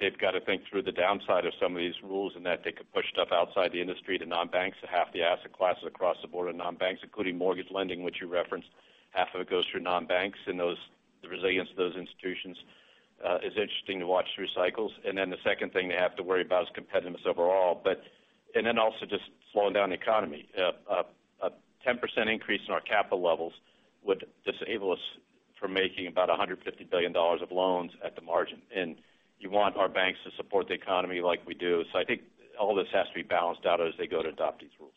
They've got to think through the downside of some of these rules, in that they could push stuff outside the industry to non-banks, half the asset classes across the board are non-banks, including mortgage lending, which you referenced. Half of it goes through non-banks, those, the resilience of those institutions, is interesting to watch through cycles. The second thing they have to worry about is competitiveness overall. Also just slowing down the economy. A 10% increase in our capital levels would disable us from making about $150 billion of loans at the margin. You want our banks to support the economy like we do. I think all this has to be balanced out as they go to adopt these rules.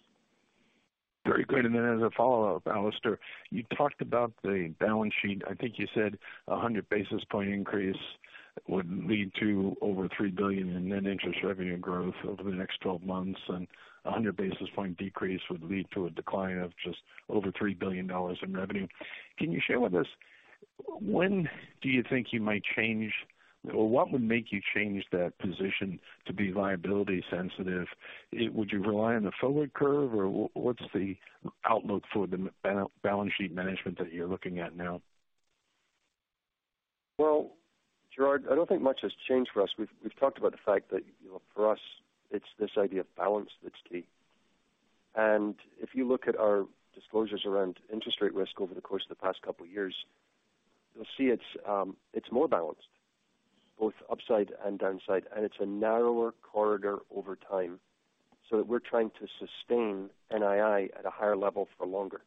Very great. As a follow-up, Alistair, you talked about the balance sheet. I think you said a 100 basis point increase would lead to over $3 billion in net interest revenue growth over the next 12 months, and a 100 basis point decrease would lead to a decline of just over $3 billion in revenue. Can you share with us, when do you think you might change, or what would make you change that position to be liability sensitive? Would you rely on the forward curve, or what's the outlook for the balance sheet management that you're looking at now? Well, Gerard, I don't think much has changed for us. We've talked about the fact that, you know, for us, it's this idea of balance that's key. If you look at our disclosures around interest rate risk over the course of the past couple years, you'll see it's more balanced, both upside and downside, and it's a narrower corridor over time, so that we're trying to sustain NII at a higher level for longer.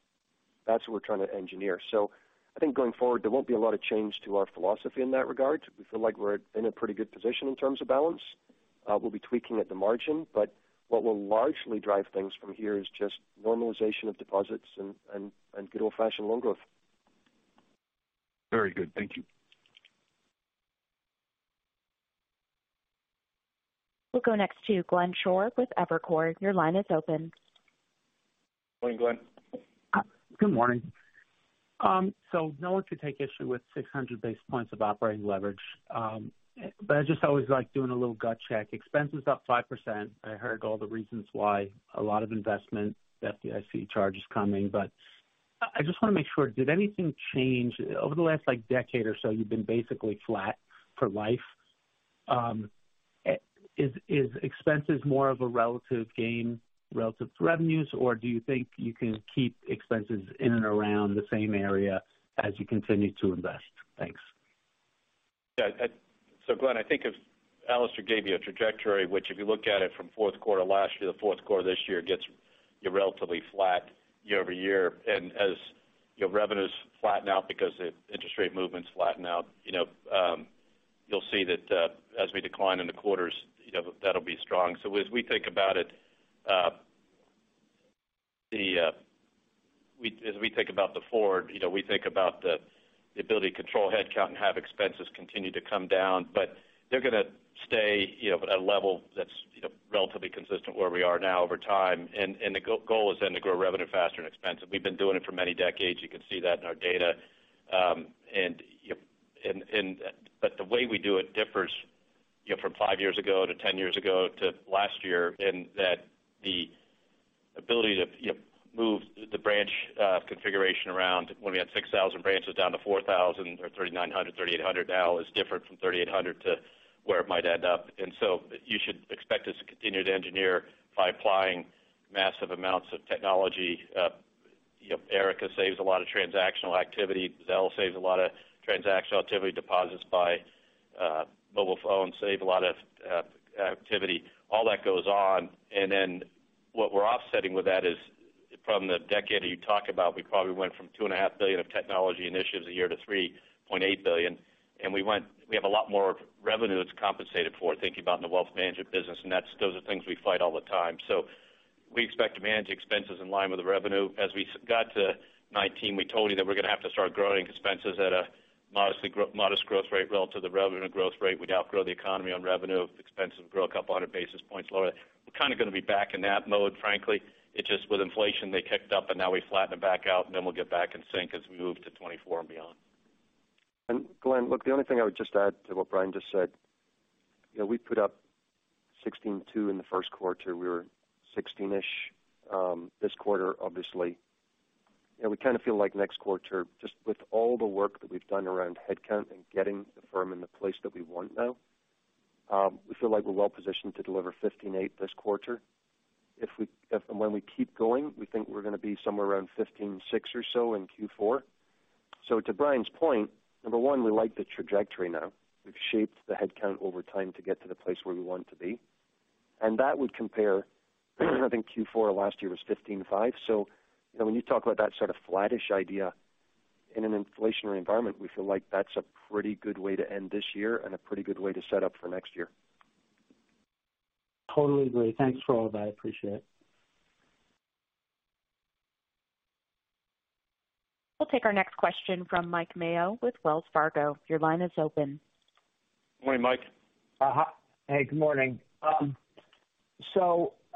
That's what we're trying to engineer. I think going forward, there won't be a lot of change to our philosophy in that regard. We feel like we're in a pretty good position in terms of balance. We'll be tweaking at the margin, but what will largely drive things from here is just normalization of deposits and good old-fashioned loan growth. Very good. Thank you. We'll go next to Glenn Schorr with Evercore. Your line is open. Morning, Glenn. Good morning. No one should take issue with 600 basis points of operating leverage, but I just always like doing a little gut check. Expenses up 5%. I heard all the reasons why, a lot of investment, the FDIC charge is coming. I just want to make sure, did anything change over the last, like, decade or so you've been basically flat for life? Is expenses more of a relative gain relative to revenues, or do you think you can keep expenses in and around the same area as you continue to invest? Thanks. Yeah. Glenn, I think if Alistair gave you a trajectory, which if you look at it from Q4 last year to Q4 this year, gets you relatively flat year-over-year. As your revenues flatten out because the interest rate movements flatten out, you know, you'll see that as we decline in the quarters, you know, that'll be strong. As we think about it, as we think about the forward, you know, we think about the ability to control headcount and have expenses continue to come down, but they're going to stay, you know, at a level that's, you know, relatively consistent where we are now over time, and the goal is then to grow revenue faster than expenses. We've been doing it for many decades. You can see that in our data. You know, but the way we do it differs, you know, from 5 years ago to 10 years ago to last year, in that the ability to, you know, move the branch configuration around when we had 6,000 branches down to 4,000 or 3,900, 3,800 now is different from 3,800 to where it might end up. You should expect us to continue to engineer by applying massive amounts of technology. You know, Erica saves a lot of transactional activity. Zelle saves a lot of transactional activity. Deposits by mobile phones save a lot of activity. All that goes on. What we're offsetting with that is from the decade you talk about, we probably went from $2.5 billion of technology initiatives a year to $3.8 billion, we have a lot more revenue that's compensated for thinking about in the wealth management business, and those are things we fight all the time. We expect to manage expenses in line with the revenue. As we got to 2019, we told you that we're going to have to start growing expenses at a modest growth rate relative to the revenue growth rate. We'd outgrow the economy on revenue. Expenses grow 200 basis points lower. We're kind of going to be back in that mode, frankly. It's just with inflation, they kicked up and now we flatten it back out, and then we'll get back in sync as we move to 2024 and beyond. Glenn, look, the only thing I would just add to what Brian just said, you know, we put up $16.2 in the Q1. We were $16-ish this quarter, obviously. We kind of feel like next quarter, just with all the work that we've done around headcount and getting the firm in the place that we want now, we feel like we're well positioned to deliver $15.8 this quarter. If and when we keep going, we think we're going to be somewhere around $15.6 or so in Q4. To Brian's point, number one, we like the trajectory now. We've shaped the headcount over time to get to the place where we want to be, and that would compare, I think Q4 last year was $15.5. When you talk about that sort of flattish idea in an inflationary environment, we feel like that's a pretty good way to end this year and a pretty good way to set up for next year. Totally agree. Thanks for all that. I appreciate it. We'll take our next question from Mike Mayo with Wells Fargo. Your line is open. Morning, Mike. Hi. Hey, good morning.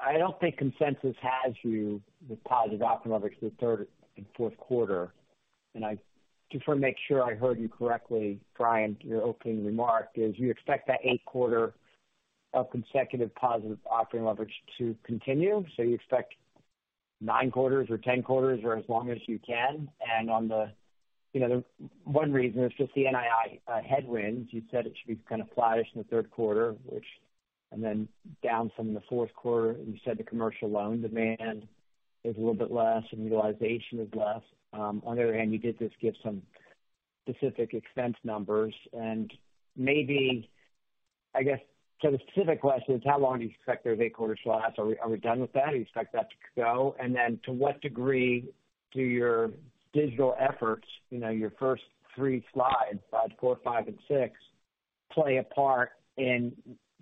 I don't think consensus has you with positive operating leverage for the third and Q4, and I just want to make sure I heard you correctly, Brian, your opening remark is you expect that 8th quarter of consecutive positive operating leverage to continue. You expect 9 quarters or 10 quarters or as long as you can? On the, you know, the one reason is just the NII headwinds. You said it should be kind of flattish in the Q3, which, and then down some in the Q4. You said the commercial loan demand is a little bit less and utilization is less. On the other hand, you did just give some specific expense numbers. Maybe, I guess, the specific question is, how long do you expect those 8 quarters to last? Are we done with that? Do you expect that to go? Then to what degree do your digital efforts, you know, your first three slides four, five, and six, play a part in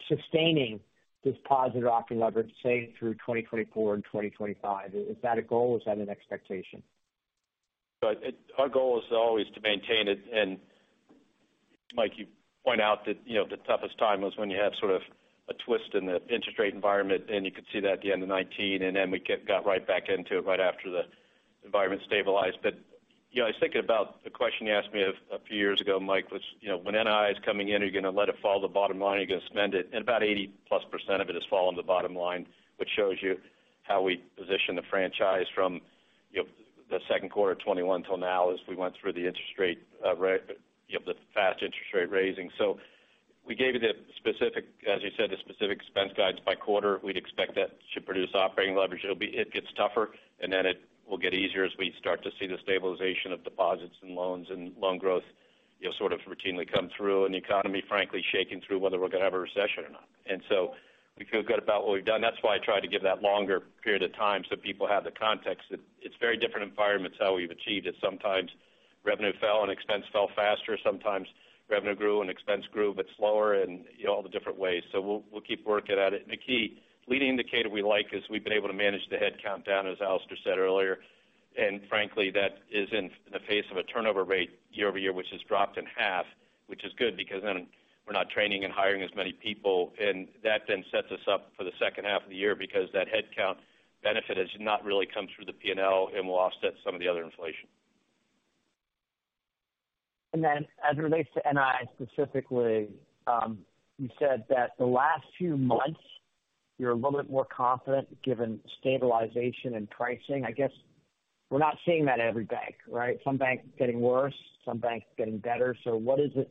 sustaining this positive operating leverage, say, through 2024 and 2025? Is that a goal or is that an expectation? Our goal is always to maintain it. Mike, you point out that, you know, the toughest time was when you had sort of a twist in the interest rate environment, and you could see that at the end of 2019, then we got right back into it right after the environment stabilized. You know, I was thinking about the question you asked me a few years ago, Mike, was, you know, when NII is coming in, are you going to let it fall to the bottom line, are you going to spend it? About 80%+ of it has fallen to the bottom line, which shows you how we position the franchise from, you know, Q2 2021 till now as we went through the interest rate, you know, the fast interest rate raising. We gave you the specific, as you said, the specific expense guides by quarter. We'd expect that to produce operating leverage. It gets tougher, and then it will get easier as we start to see the stabilization of deposits and loans and loan growth, you know, sort of routinely come through, and the economy, frankly, shaking through whether we're going to have a recession or not. We feel good about what we've done. That's why I tried to give that longer period of time so people have the context. It, it's very different environments, how we've achieved it. Sometimes revenue fell and expense fell faster, sometimes revenue grew and expense grew, but slower and, you know, all the different ways. We'll, we'll keep working at it. The key leading indicator we like is we've been able to manage the headcount down, as Alistair said earlier. Frankly, that is in the face of a turnover rate year-over-year, which has dropped in half, which is good, because then we're not training and hiring as many people. That then sets us up for the second half of the year because that headcount benefit has not really come through the P&L and will offset some of the other inflation. As it relates to NII specifically, you said that the last few months, you're a little bit more confident given stabilization and pricing. I guess we're not seeing that at every bank, right? Some banks getting worse, some banks getting better. What is it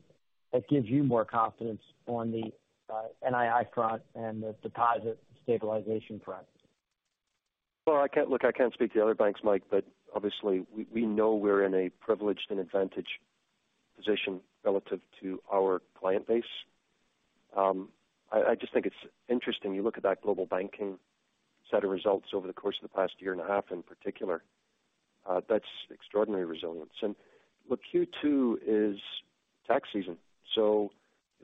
that gives you more confidence on the NII front and the deposit stabilization front? Well, I can't speak to the other banks, Mike, but obviously we know we're in a privileged and advantage position relative to our client base. I just think it's interesting, you look at that global banking set of results over the course of the past year and a half, in particular, that's extraordinary resilience. Look, Q2 is tax season, so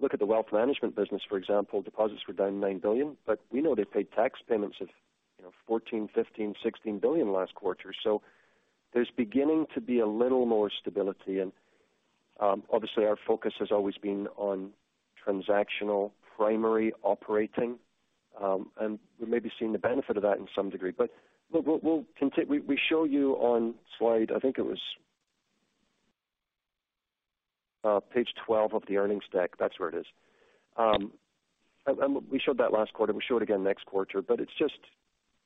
look at the wealth management business, for example. Deposits were down $9 billion, but we know they paid tax payments of, you know, $14 billion, $15 billion, $16 billion last quarter. There's beginning to be a little more stability. Obviously, our focus has always been on transactional, primary operating, and we may be seeing the benefit of that in some degree. We show you on slide I think it was page 12 of the earnings deck. That's where it is. We showed that last quarter. We'll show it again next quarter, but it's just,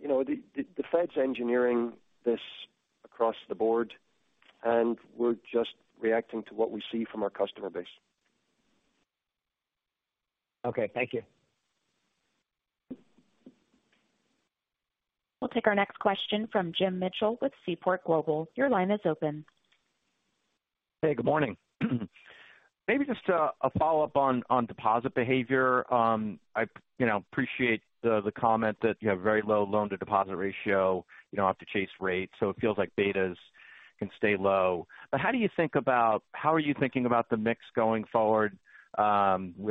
you know, the Fed's engineering this across the board, and we're just reacting to what we see from our customer base. Okay, thank you. We'll take our next question from Jim Mitchell with Seaport Global. Your line is open. Hey, good morning. Maybe just a follow-up on deposit behavior. I, you know, appreciate the comment that you have very low loan-to-deposit ratio. You don't have to chase rates, it feels like betas can stay low. How are you thinking about the mix going forward? We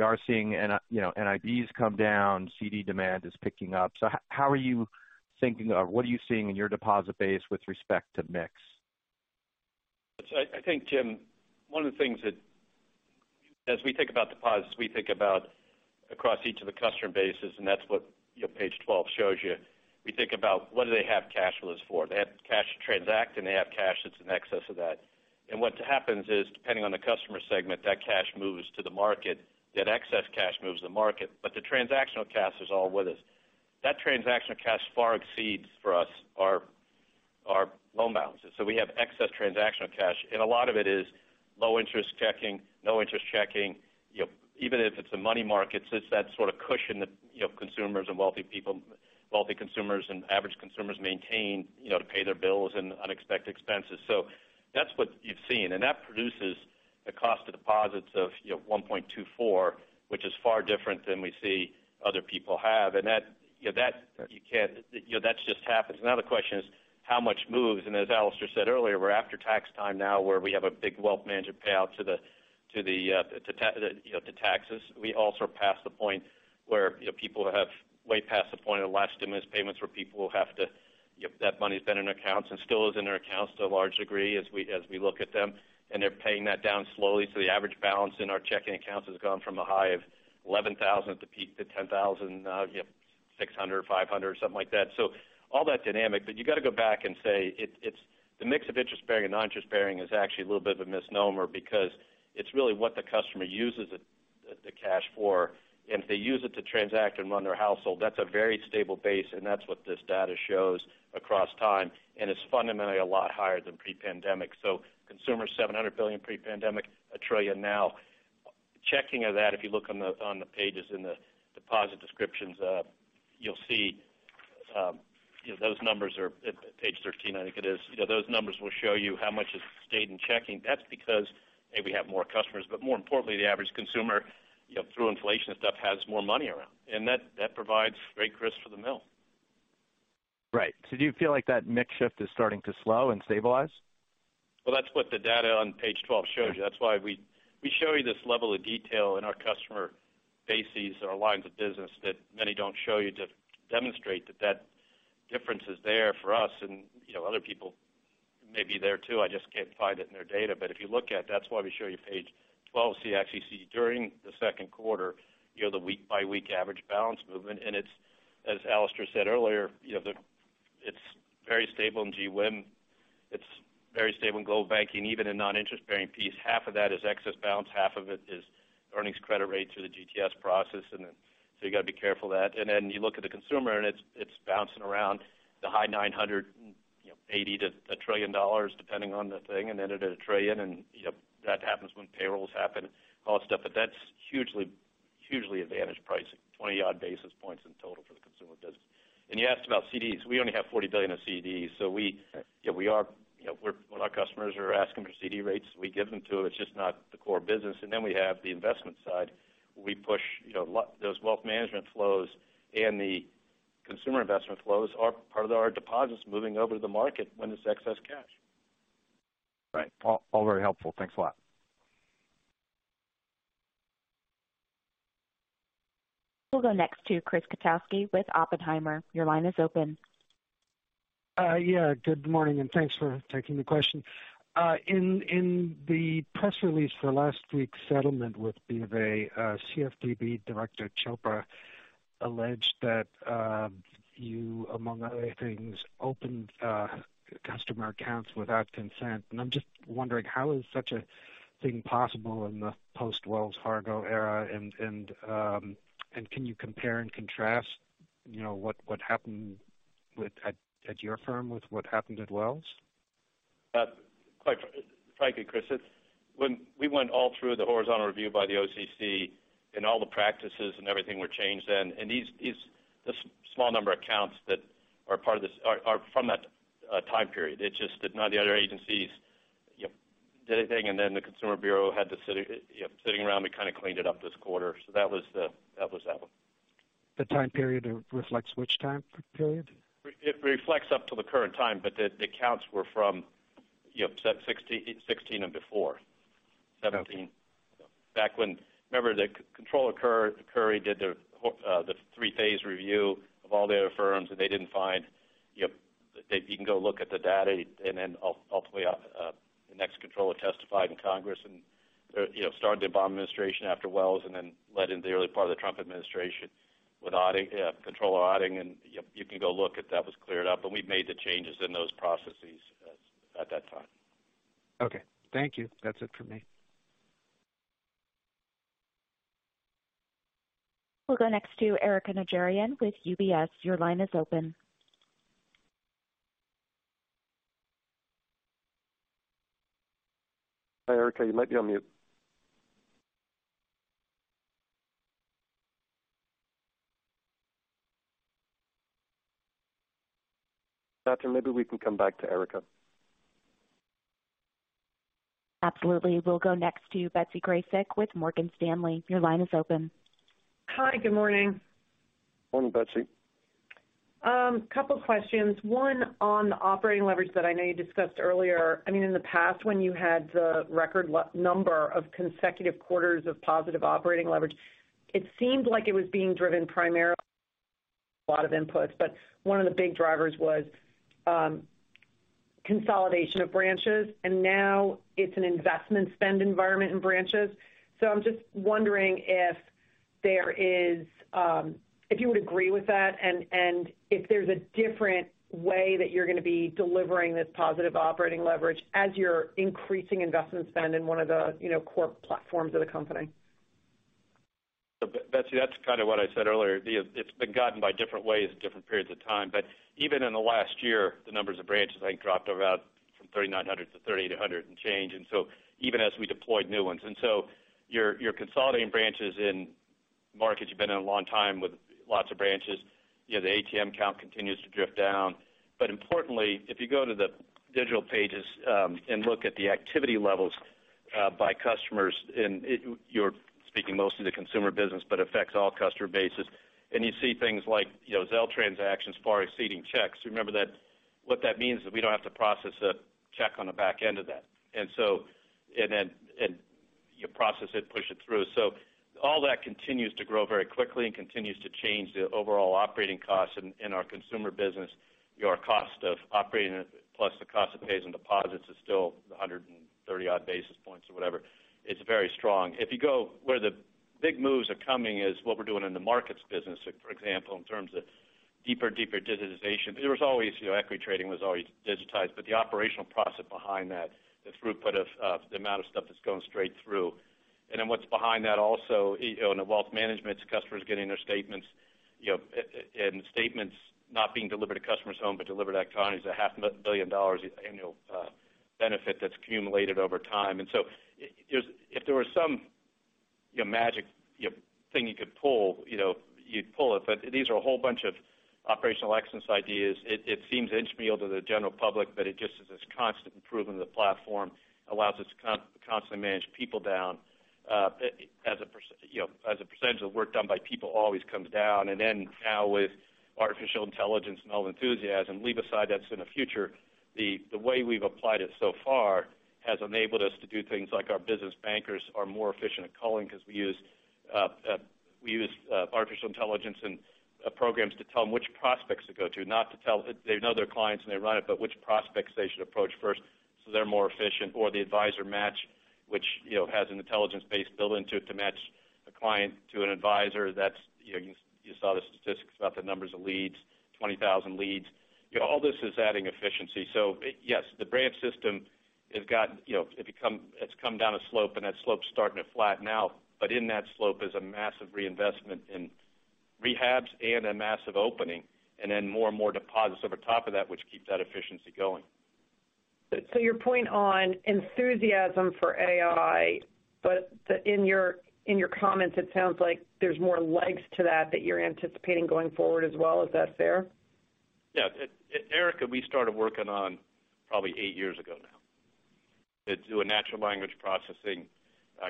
are seeing you know, NIBs come down, CD demand is picking up. How are you thinking, or what are you seeing in your deposit base with respect to mix? I think, Jim, one of the things that as we think about deposits, we think about across each of the customer bases, and that's what, you know, page 12 shows you. We think about what do they have cash flows for? They have cash to transact, and they have cash that's in excess of that. What happens is, depending on the customer segment, that cash moves to the market, that excess cash moves to the market, but the transactional cash is all with us. That transactional cash far exceeds, for us, our loan balances. We have excess transactional cash, and a lot of it is low interest checking, no interest checking. You know, even if it's a money market, it's that sort of cushion that, you know, consumers and wealthy people, wealthy consumers and average consumers maintain, you know, to pay their bills and unexpected expenses. That's what you've seen, and that produces the cost of deposits of, you know, 1.24%, which is far different than we see other people have. That, you know, that you can't, you know, that just happens. The question is: how much moves? As Alistair said earlier, we're after tax time now, where we have a big wealth management payout to the, to the, you know, to taxes. We also are past the point where, you know, people have way past the point of last-minute payments, where people will have to ... Yep, that money's been in their accounts and still is in their accounts to a large degree as we look at them. They're paying that down slowly. The average balance in our checking accounts has gone from a high of $11,000 to peak to $10,000, you know, $600, $500 or something like that. All that dynamic, you got to go back and say it's the mix of interest bearing and non-interest bearing is actually a little bit of a misnomer because it's really what the customer uses it, the cash for. If they use it to transact and run their household, that's a very stable base. That's what this data shows across time. It's fundamentally a lot higher than pre-pandemic. Consumer, $700 billion pre-pandemic, $1 trillion now. Checking of that, if you look on the pages in the deposit descriptions, you'll see, you know, those numbers are at page 13, I think it is. You know, those numbers will show you how much has stayed in checking. That's because maybe we have more customers, more importantly, the average consumer, you know, through inflation and stuff, has more money around, that provides great risk for Merrill. Right. Do you feel like that mix shift is starting to slow and stabilize? Well, that's what the data on page 12 shows you. That's why we show you this level of detail in our customer bases or lines of business that many don't show you, to demonstrate that that difference is there for us and, you know, other people may be there too. I just can't find it in their data. If you look at it, that's why we show you page 12, so you actually see during the Q2, you know, the week-by-week average balance movement. It's, as Alistair said earlier, you know, it's very stable in GWIM, it's very stable in global banking, even in non-interest bearing piece. Half of that is excess balance, half of it is earnings credit rates or the GTS process. You got to be careful of that. Then you look at the consumer, it's bouncing around the high $980 billion-$1 trillion, depending on the thing, and ended at $1 trillion. You know, that happens when payrolls happen, all that stuff. That's hugely advantaged pricing, 20 odd basis points in total for the consumer business. You asked about CDs. We only have $40 billion of CDs, so yeah, we are, you know, when our customers are asking for CD rates, we give them to them. It's just not the core business. Then we have the investment side, where we push, you know, those wealth management flows and the consumer investment flows are part of our deposits moving over to the market when it's excess cash. Right. All very helpful. Thanks a lot. We'll go next to Chris Kotowski with Oppenheimer. Your line is open. Yeah, good morning, thanks for taking the question. In the press release for last week's settlement with BofA, CFPB Director Chopra alleged that you, among other things, opened customer accounts without consent. I'm just wondering, how is such a thing possible in the post-Wells Fargo era? Can you compare and contrast, you know, what happened at your firm with what happened at Wells? Quite frankly, Chris, it's when we went all through the horizontal review by the OCC and all the practices and everything were changed then, and these, this small number of accounts that are part of this are from that time period. It's just that none of the other agencies, you know, did anything, and then the Consumer Bureau had to sit, you know, sitting around and kind of cleaned it up this quarter. That was that one. The time period reflects which time period? It reflects up to the current time, but the accounts were from, you know, 2016 and before, 2017. Back when, remember, Comptroller Curry did the three-phase review of all the other firms, and they didn't find, you know, you can go look at the data, ultimately, the next Comptroller testified in Congress and, you know, started the Obama administration after Wells and then led into the early part of the Trump administration with auditing, yeah, comptroller auditing. You can go look at that, was cleared up, but we've made the changes in those processes at that time. Okay. Thank you. That's it for me. We'll go next to Erika Najarian with UBS. Your line is open. Hi, Erika, you might be on mute. Catherine, maybe we can come back to Erika. Absolutely. We'll go next to Betsy Graseck with Morgan Stanley. Your line is open. Hi, good morning. Morning, Betsy. Couple questions. One, on the operating leverage that I know you discussed earlier. I mean, in the past, when you had the record number of consecutive quarters of positive operating leverage, it seemed like it was being driven primarily a lot of inputs, but one of the big drivers was consolidation of branches, and now it's an investment spend environment in branches. I'm just wondering if there is, if you would agree with that and if there's a different way that you're going to be delivering this positive operating leverage as you're increasing investment spend in one of the, you know, core platforms of the company. Betsy, that's kind of what I said earlier. It's been gotten by different ways at different periods of time. Even in the last year, the numbers of branches, I think, dropped about from 3,900 to 3,800 and change. Even as we deployed new ones. You're consolidating branches in markets you've been in a long time with lots of branches. You know, the ATM count continues to drift down. Importantly, if you go to the digital pages, and look at the activity levels by customers, and you're speaking mostly to consumer business, but affects all customer bases. You see things like, you know, Zelle transactions far exceeding checks. Remember that. What that means is we don't have to process a check on the back end of that. You process it, push it through. All that continues to grow very quickly and continues to change the overall operating costs in our consumer business. Your cost of operating, plus the cost it pays in deposits, is still 130 odd basis points or whatever. It's very strong. If you go where the big moves are coming, is what we're doing in the markets business, for example, in terms of deeper digitization. It was always, you know, equity trading was always digitized, but the operational process behind that, the throughput of the amount of stuff that's going straight through. What's behind that also, you know, in the wealth management customers getting their statements, you know, and statements not being delivered to customers home, but delivered electronically, is a half a billion dollars annual benefit that's accumulated over time. if there were some magic thing you could pull, you know, you'd pull it, but these are a whole bunch of operational excellence ideas. It seems inchmeal to the general public, but it just is this constant improvement of the platform allows us to constantly manage people down. as a percent, you know, as a percentage of the work done by people always comes down. now with artificial intelligence and all the enthusiasm, leave aside, that's in the future. The way we've applied it so far has enabled us to do things like our business bankers are more efficient at calling because we use artificial intelligence and programs to tell them which prospects to go to, not to tell... They know their clients and they run it, which prospects they should approach first so they're more efficient, or the Advisor Match, which, you know, has an intelligence base built into it to match a client to an advisor, that's, you know, you saw the statistics about the numbers of leads, 20,000 leads. You know, all this is adding efficiency. Yes, the branch system has got, you know, it's come down a slope, and that slope's starting to flatten out. In that slope is a massive reinvestment in rehabs and a massive opening, and then more and more deposits over top of that, which keeps that efficiency going. Your point on enthusiasm for AI, but in your comments, it sounds like there's more legs to that you're anticipating going forward as well. Is that fair? Yeah. Erica, we started working on probably eight years ago now. It do a natural language processing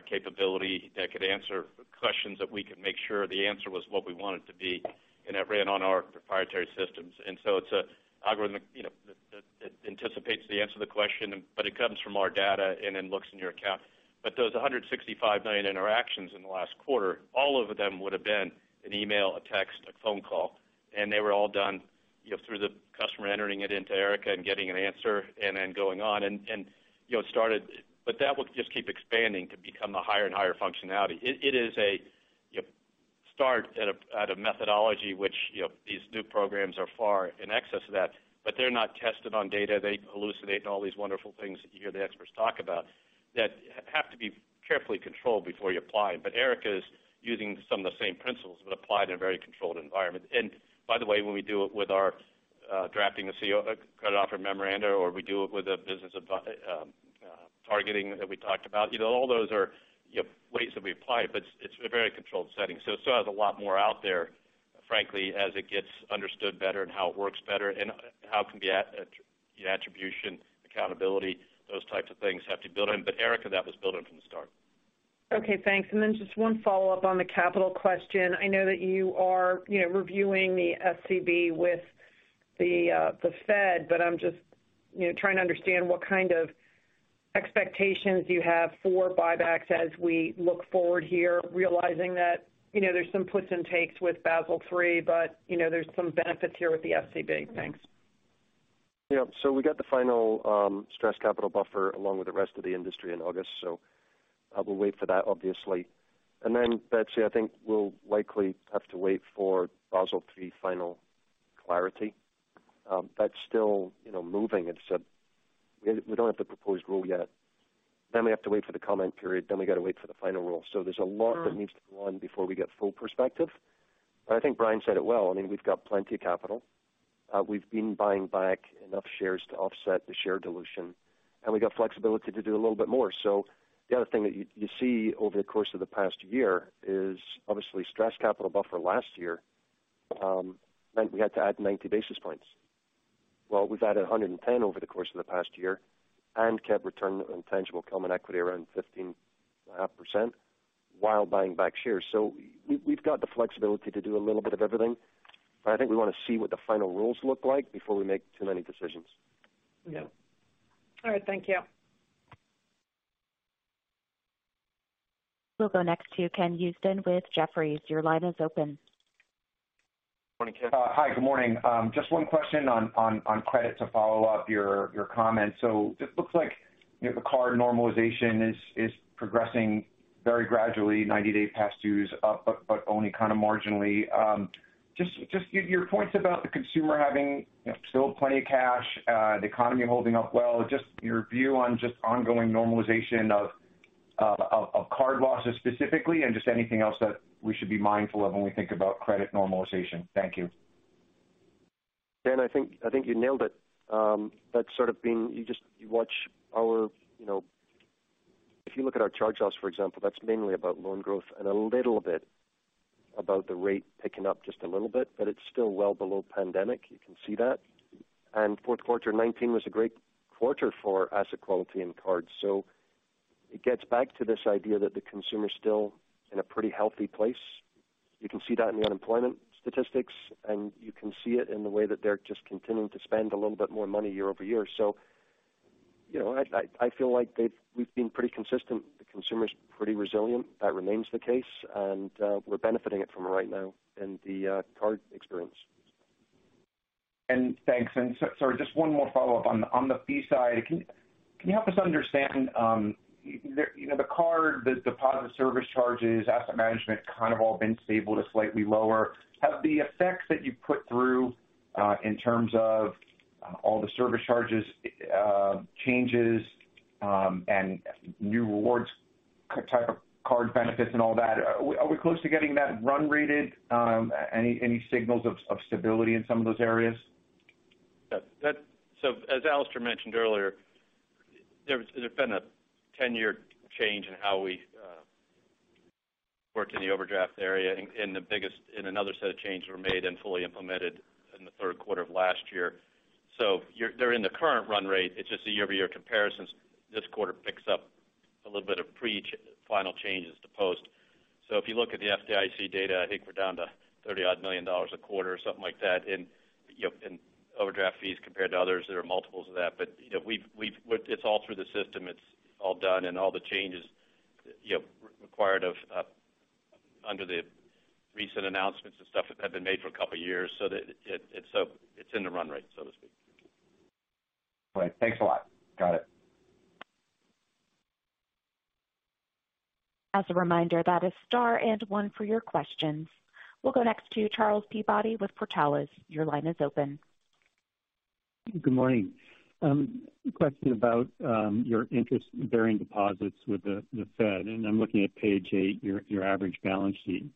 capability that could answer questions that we could make sure the answer was what we want it to be, and it ran on our proprietary systems. It's a algorithmic, you know, that anticipates the answer to the question, but it comes from our data and then looks in your account. Those $165 million interactions in the last quarter, all of them would have been an email, a text, a phone call, and they were all done, you know, through the customer entering it into Erica and getting an answer and then going on. You know, it started. That will just keep expanding to become a higher and higher functionality. It is a, you know, start at a, at a methodology, which, you know, these new programs are far in excess of that, but they're not tested on data. They elucidate all these wonderful things that you hear the experts talk about that have to be carefully controlled before you apply them. But Erica is using some of the same principles, but applied in a very controlled environment. And by the way, when we do it with our drafting a credit offer memoranda, or we do it with a business targeting that we talked about, you know, all those are, you know, ways that we apply it, but it's a very controlled setting. It still has a lot more out there, frankly, as it gets understood better and how it works better and how can the attribution, accountability, those types of things have to build in. Erica, that was built in from the start. Okay, thanks. Then just one follow-up on the capital question. I know that you are, you know, reviewing the SCB with the Fed, but I'm just, you know, trying to understand what kind of expectations you have for buybacks as we look forward here, realizing that, you know, there's some puts and takes with Basel III, but, you know, there's some benefits here with the SCB. Thanks. Yeah. We got the final stress capital buffer along with the rest of the industry in August, so we'll wait for that, obviously. Betsy, I think we'll likely have to wait for Basel III final clarity. That's still, you know, moving. It's, we don't have the proposed rule yet. We have to wait for the comment period, then we got to wait for the final rule. There's a lot that needs to go on before we get full perspective. I think Brian said it well, I mean, we've got plenty of capital. We've been buying back enough shares to offset the share dilution, and we got flexibility to do a little bit more. The other thing that you see over the course of the past year is obviously Stress Capital Buffer last year meant we had to add 90 basis points. We've added 110 over the course of the past year and kept return on tangible common equity around 15.5% while buying back shares. We've got the flexibility to do a little bit of everything, but I think we want to see what the final rules look like before we make too many decisions. Yeah. All right. Thank you. We'll go next to Ken Usdin with Jefferies. Your line is open. Morning, Ken. Hi, good morning. Just one question on credit to follow up your comments. It looks like, you know, the card normalization is progressing very gradually, 90-day past dues up, but only kind of marginally. Just your points about the consumer having, you know, still plenty of cash, the economy holding up well, just your view on just ongoing normalization of card losses specifically, and just anything else that we should be mindful of when we think about credit normalization. Thank you. Ken, I think you nailed it. That's sort of been... You just, you watch our, you know, if you look at our charge-offs, for example, that's mainly about loan growth and a little bit about the rate picking up just a little bit, but it's still well below pandemic. You can see that. Q4 19 was a great quarter for asset quality and cards. It gets back to this idea that the consumer is still in a pretty healthy place. You can see that in the unemployment statistics, and you can see it in the way that they're just continuing to spend a little bit more money year-over-year. You know, I feel like we've been pretty consistent. The consumer's pretty resilient. That remains the case, and we're benefiting it from it right now in the card experience. Thanks. Sorry, just one more follow-up on the, on the fee side. Can you help us understand, the, you know, the card, the deposit service charges, asset management, kind of all been stable to slightly lower? Have the effects that you put through, in terms of all the service charges, changes, and new rewards type of card benefits and all that, are we close to getting that run rated? Any signals of stability in some of those areas? Alistair mentioned earlier, there's been a 10-year change in how we work in the overdraft area, and the biggest, and another set of changes were made and fully implemented in the Q3 of last year. They're in the current run rate. It's just a year-over-year comparisons. This quarter picks up a little bit of pre final changes to post. If you look at the FDIC data, I think we're down to $30-odd million a quarter or something like that in, you know, in overdraft fees compared to others that are multiples of that. You know, we've it's all through the system. It's all done, and all the changes, you know, required of, under the recent announcements and stuff that have been made for two years, so that it's in the run rate, so to speak. Great. Thanks a lot. Got it. As a reminder, that is star and one for your questions. We'll go next to Charles Peabody with Portales. Your line is open. Good morning. A question about your interest-bearing deposits with the Fed, and I'm looking at page eight, your average balance sheet.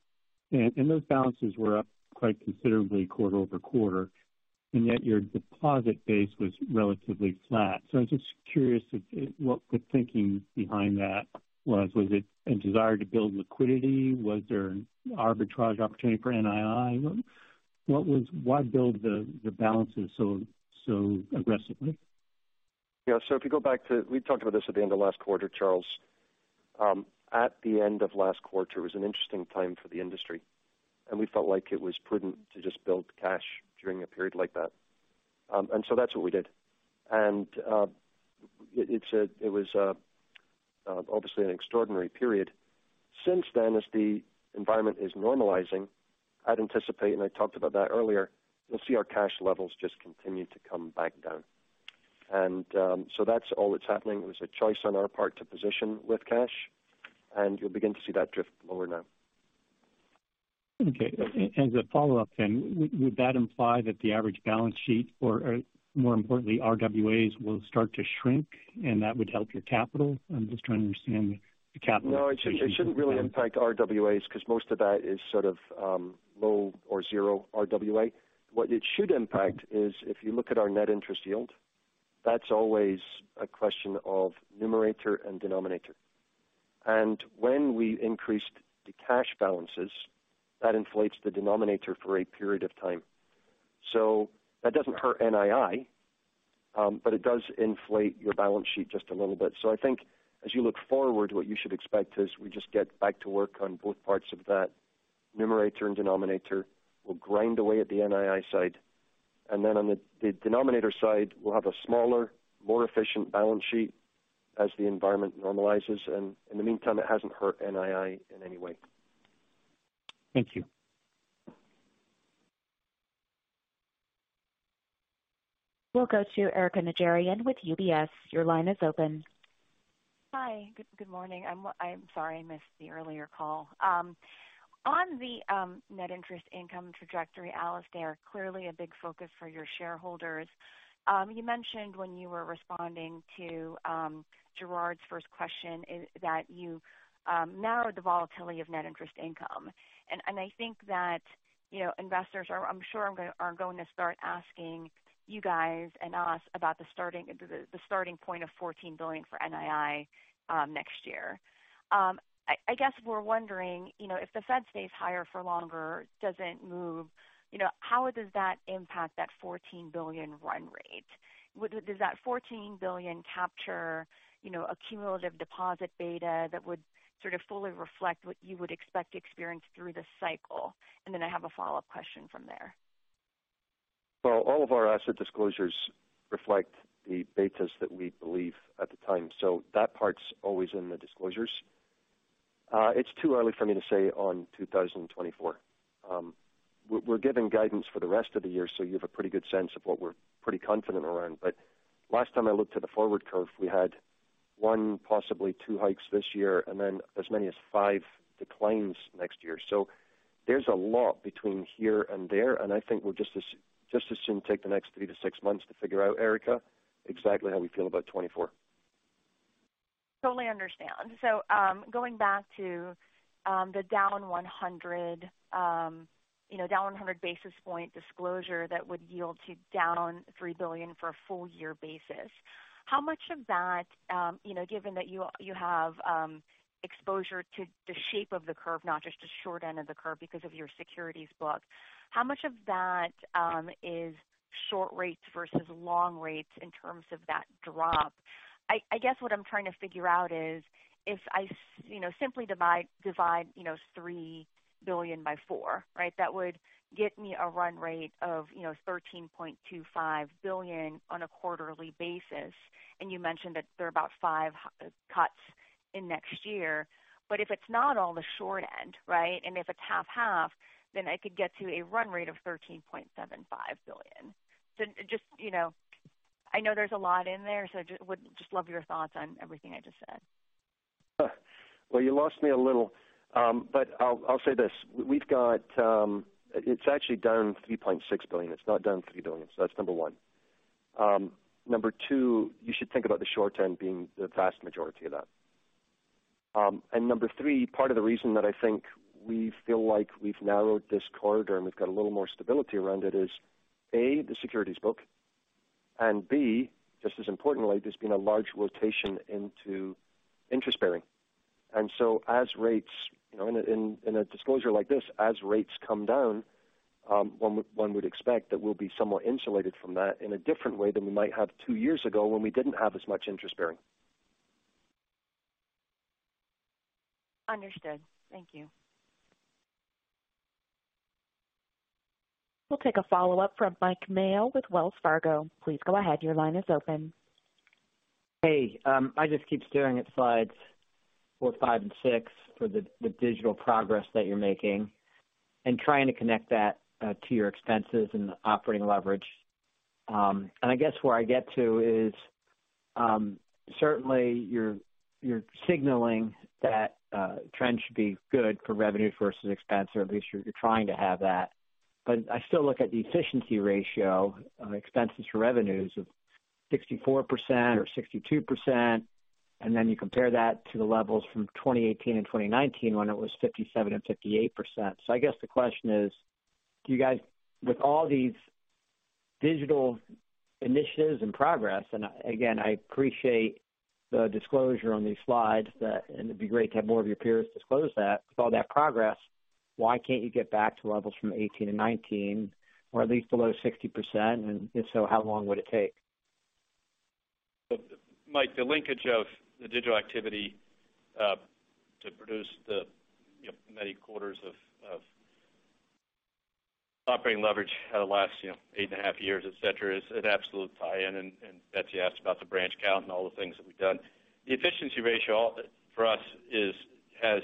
Those balances were up quite considerably quarter-over-quarter, and yet your deposit base was relatively flat. I was just curious what the thinking behind that was. Was it a desire to build liquidity? Was there an arbitrage opportunity for NII? Why build the balances so aggressively? We talked about this at the end of last quarter, Charles. At the end of last quarter was an interesting time for the industry, and we felt like it was prudent to just build cash during a period like that. That's what we did. It was obviously an extraordinary period. Since then, as the environment is normalizing, I'd anticipate, and I talked about that earlier, you'll see our cash levels just continue to come back down. That's all that's happening. It was a choice on our part to position with cash, and you'll begin to see that drift lower now. As a follow-up then, would that imply that the average balance sheet, or more importantly, RWAs will start to shrink and that would help your capital? I'm just trying to understand the capital. No, it shouldn't, it shouldn't really impact RWAs because most of that is sort of, low or zero RWA. What it should impact is if you look at our net interest yield, that's always a question of numerator and denominator. When we increased the cash balances, that inflates the denominator for a period of time. That doesn't hurt NII, but it does inflate your balance sheet just a little bit. I think as you look forward, what you should expect is we just get back to work on both parts of that. Numerator and denominator will grind away at the NII side, and then on the denominator side, we'll have a smaller, more efficient balance sheet as the environment normalizes. In the meantime, it hasn't hurt NII in any way. Thank you. We'll go to Erika Najarian with UBS. Your line is open. Hi, good morning. I'm sorry I missed the earlier call. On the net interest income trajectory, Alistair, clearly a big focus for your shareholders. You mentioned when you were responding to Gerard's first question, is that you narrowed the volatility of net interest income. I think that, you know, investors are, I'm sure are going to start asking you guys and us about the starting point of $14 billion for NII next year. I guess we're wondering, you know, if the Fed stays higher for longer, doesn't move, you know, how does that impact that $14 billion run rate? Does that $14 billion capture, you know, a cumulative deposit beta that would sort of fully reflect what you would expect to experience through this cycle? I have a follow-up question from there. All of our asset disclosures reflect the betas that we believe at the time. That part's always in the disclosures. It's too early for me to say on 2024. We're giving guidance for the rest of the year, so you have a pretty good sense of what we're pretty confident around. Last time I looked at the forward curve, we had 1, possibly 2 hikes this year and then as many as 5 declines next year. There's a lot between here and there, and I think we'll just as soon take the next 3-6 months to figure out, Erika, exactly how we feel about 24. Totally understand. Going back to the down 100, you know, down 100 basis point disclosure, that would yield to down on $3 billion for a full year basis. How much of that, you know, given that you have exposure to the shape of the curve, not just the short end of the curve, because of your securities book, how much of that is short rates versus long rates in terms of that drop? I guess what I'm trying to figure out is, if I you know, simply divide, you know, $3 billion by 4, right? That would get me a run rate of, you know, $13.25 billion on a quarterly basis. You mentioned that there are about 5 cuts in next year. If it's not all the short end, right, and if it's half half, then I could get to a run rate of $13.75 billion. Just, you know, I know there's a lot in there, so I would just love your thoughts on everything I just said. Well, you lost me a little, but I'll say this: we've got, it's actually down $3.6 billion. It's not down $3 billion. That's number one. Number two, you should think about the short end being the vast majority of that. Number three, part of the reason that I think we feel like we've narrowed this corridor and we've got a little more stability around it is, A, the securities book, and B, just as importantly, there's been a large rotation into interest bearing. As rates, you know, in a disclosure like this, as rates come down, one would expect that we'll be somewhat insulated from that in a different way than we might have two years ago when we didn't have as much interest bearing. Understood. Thank you. We'll take a follow-up from Mike Mayo with Wells Fargo. Please go ahead. Your line is open. Hey, I just keep staring at slides 4, 5, and 6 for the digital progress that you're making and trying to connect that to your expenses and operating leverage. I guess where I get to is, certainly you're signaling that trends should be good for revenue versus expense, or at least you're trying to have that. I still look at the efficiency ratio of expenses to revenues of 64% or 62%. You compare that to the levels from 2018 and 2019 when it was 57% and 58%. I guess the question is: Do you guys, with all these digital initiatives and progress, and again, I appreciate the disclosure on these slides, that, and it'd be great to have more of your peers disclose that. With all that progress, why can't you get back to levels from 2018 to 2019, or at least below 60%? If so, how long would it take? Mike, the linkage of the digital activity to produce the, you know, many quarters of operating leverage over the last, you know, eight and a half years, et cetera, is an absolute tie-in. Betsy asked about the branch count and all the things that we've done. The efficiency ratio for us has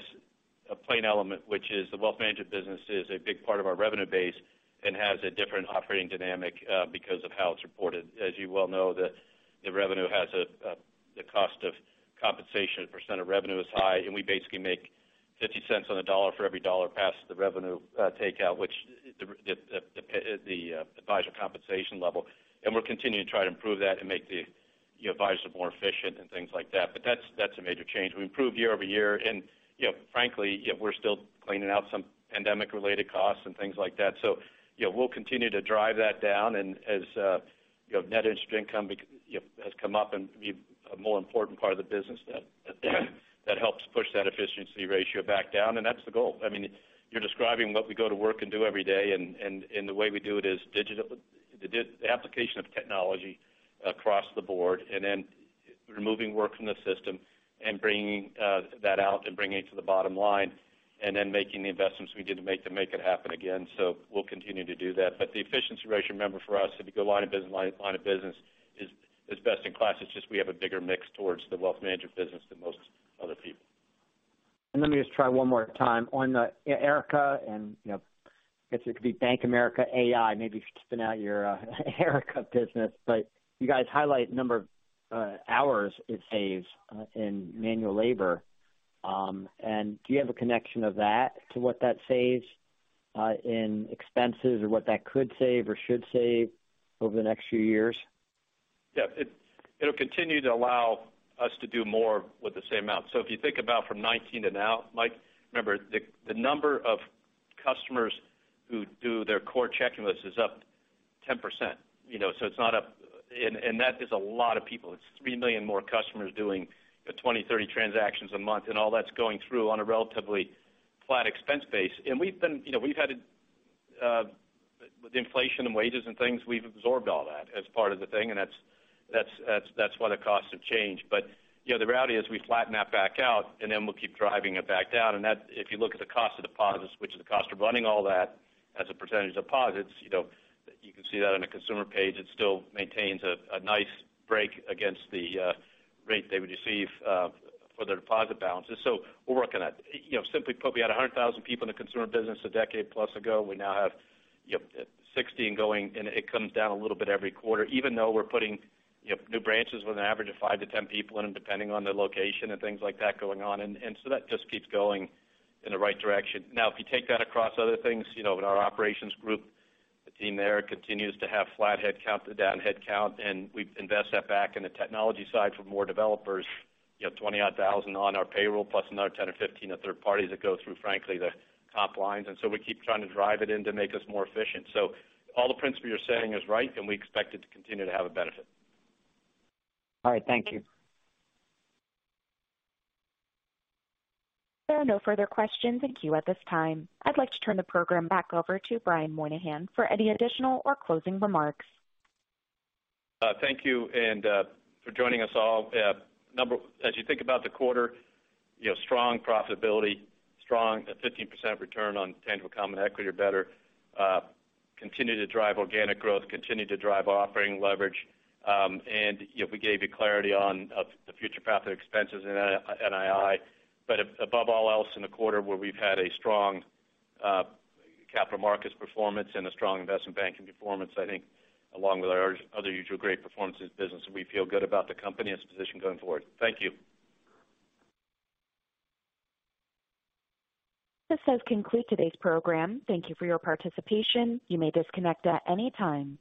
a plain element, which is the wealth management business is a big part of our revenue base and has a different operating dynamic because of how it's reported. As you well know, the revenue has a, the cost of compensation, % of revenue is high, and we basically make $0.50 on the dollar for every dollar past the revenue takeout, which the advisor compensation level. We're continuing to try to improve that and make the, you know, advisors more efficient and things like that. That's a major change. We improved year-over-year and, you know, frankly, we're still cleaning out some pandemic-related costs and things like that. You know, we'll continue to drive that down. As, you know, net interest income, you know, has come up and be a more important part of the business, that helps push that efficiency ratio back down, and that's the goal. I mean, you're describing what we go to work and do every day, and the way we do it is the application of technology across the board, and then removing work from the system and bringing that out and bringing it to the bottom line, and then making the investments we need to make to make it happen again. We'll continue to do that. The efficiency ratio, remember, for us, if you go line of business, line of business, is best in class. It's just we have a bigger mix towards the wealth management business than most other people. Let me just try one more time. On the Erica and, you know, I guess it could be Bank of America AI, maybe you should spin out your Erica business. You guys highlight the number of hours it saves in manual labor. Do you have a connection of that to what that saves in expenses or what that could save or should save over the next few years? Yeah, it'll continue to allow us to do more with the same amount. If you think about from 19 to now, Mike, remember, the number of customers who do their core checking list is up 10%. You know, it's not a, and that is a lot of people. It's 3 million more customers doing the 20, 30 transactions a month, and all that's going through on a relatively flat expense base. We've had, you know, with inflation and wages and things, we've absorbed all that as part of the thing, and that's why the costs have changed. You know, the reality is we flatten that back out, and then we'll keep driving it back down. If you look at the cost of deposits, which is the cost of running all that as a percentage of deposits, you know, you can see that on a consumer page, it still maintains a nice break against the rate they would receive for their deposit balances. We're working on it. You know, simply put, we had 100,000 people in the consumer business a decade plus ago. We now have, you know, 60 and going, and it comes down a little bit every quarter, even though we're putting, you know, new branches with an average of 5-10 people in them, depending on their location and things like that going on. That just keeps going in the right direction. If you take that across other things, you know, in our operations group, the team there continues to have flat headcount to down headcount, and we invest that back in the technology side for more developers. You know, 20-odd thousand on our payroll, plus another 10 or 15 are third parties that go through, frankly, the top lines. We keep trying to drive it in to make us more efficient. All the principles you're saying is right, and we expect it to continue to have a benefit. All right. Thank you. There are no further questions in queue at this time. I'd like to turn the program back over to Brian Moynihan for any additional or closing remarks. Thank you and for joining us all. As you think about the quarter, you know, strong profitability, strong 15% return on tangible common equity or better, continue to drive organic growth, continue to drive operating leverage. You know, we gave you clarity of the future profit expenses in NII. Above all else, in a quarter where we've had a strong capital markets performance and a strong investment banking performance, I think along with our other usual great performances business, we feel good about the company and its position going forward. Thank you. This does conclude today's program. Thank you for your participation. You may disconnect at any time.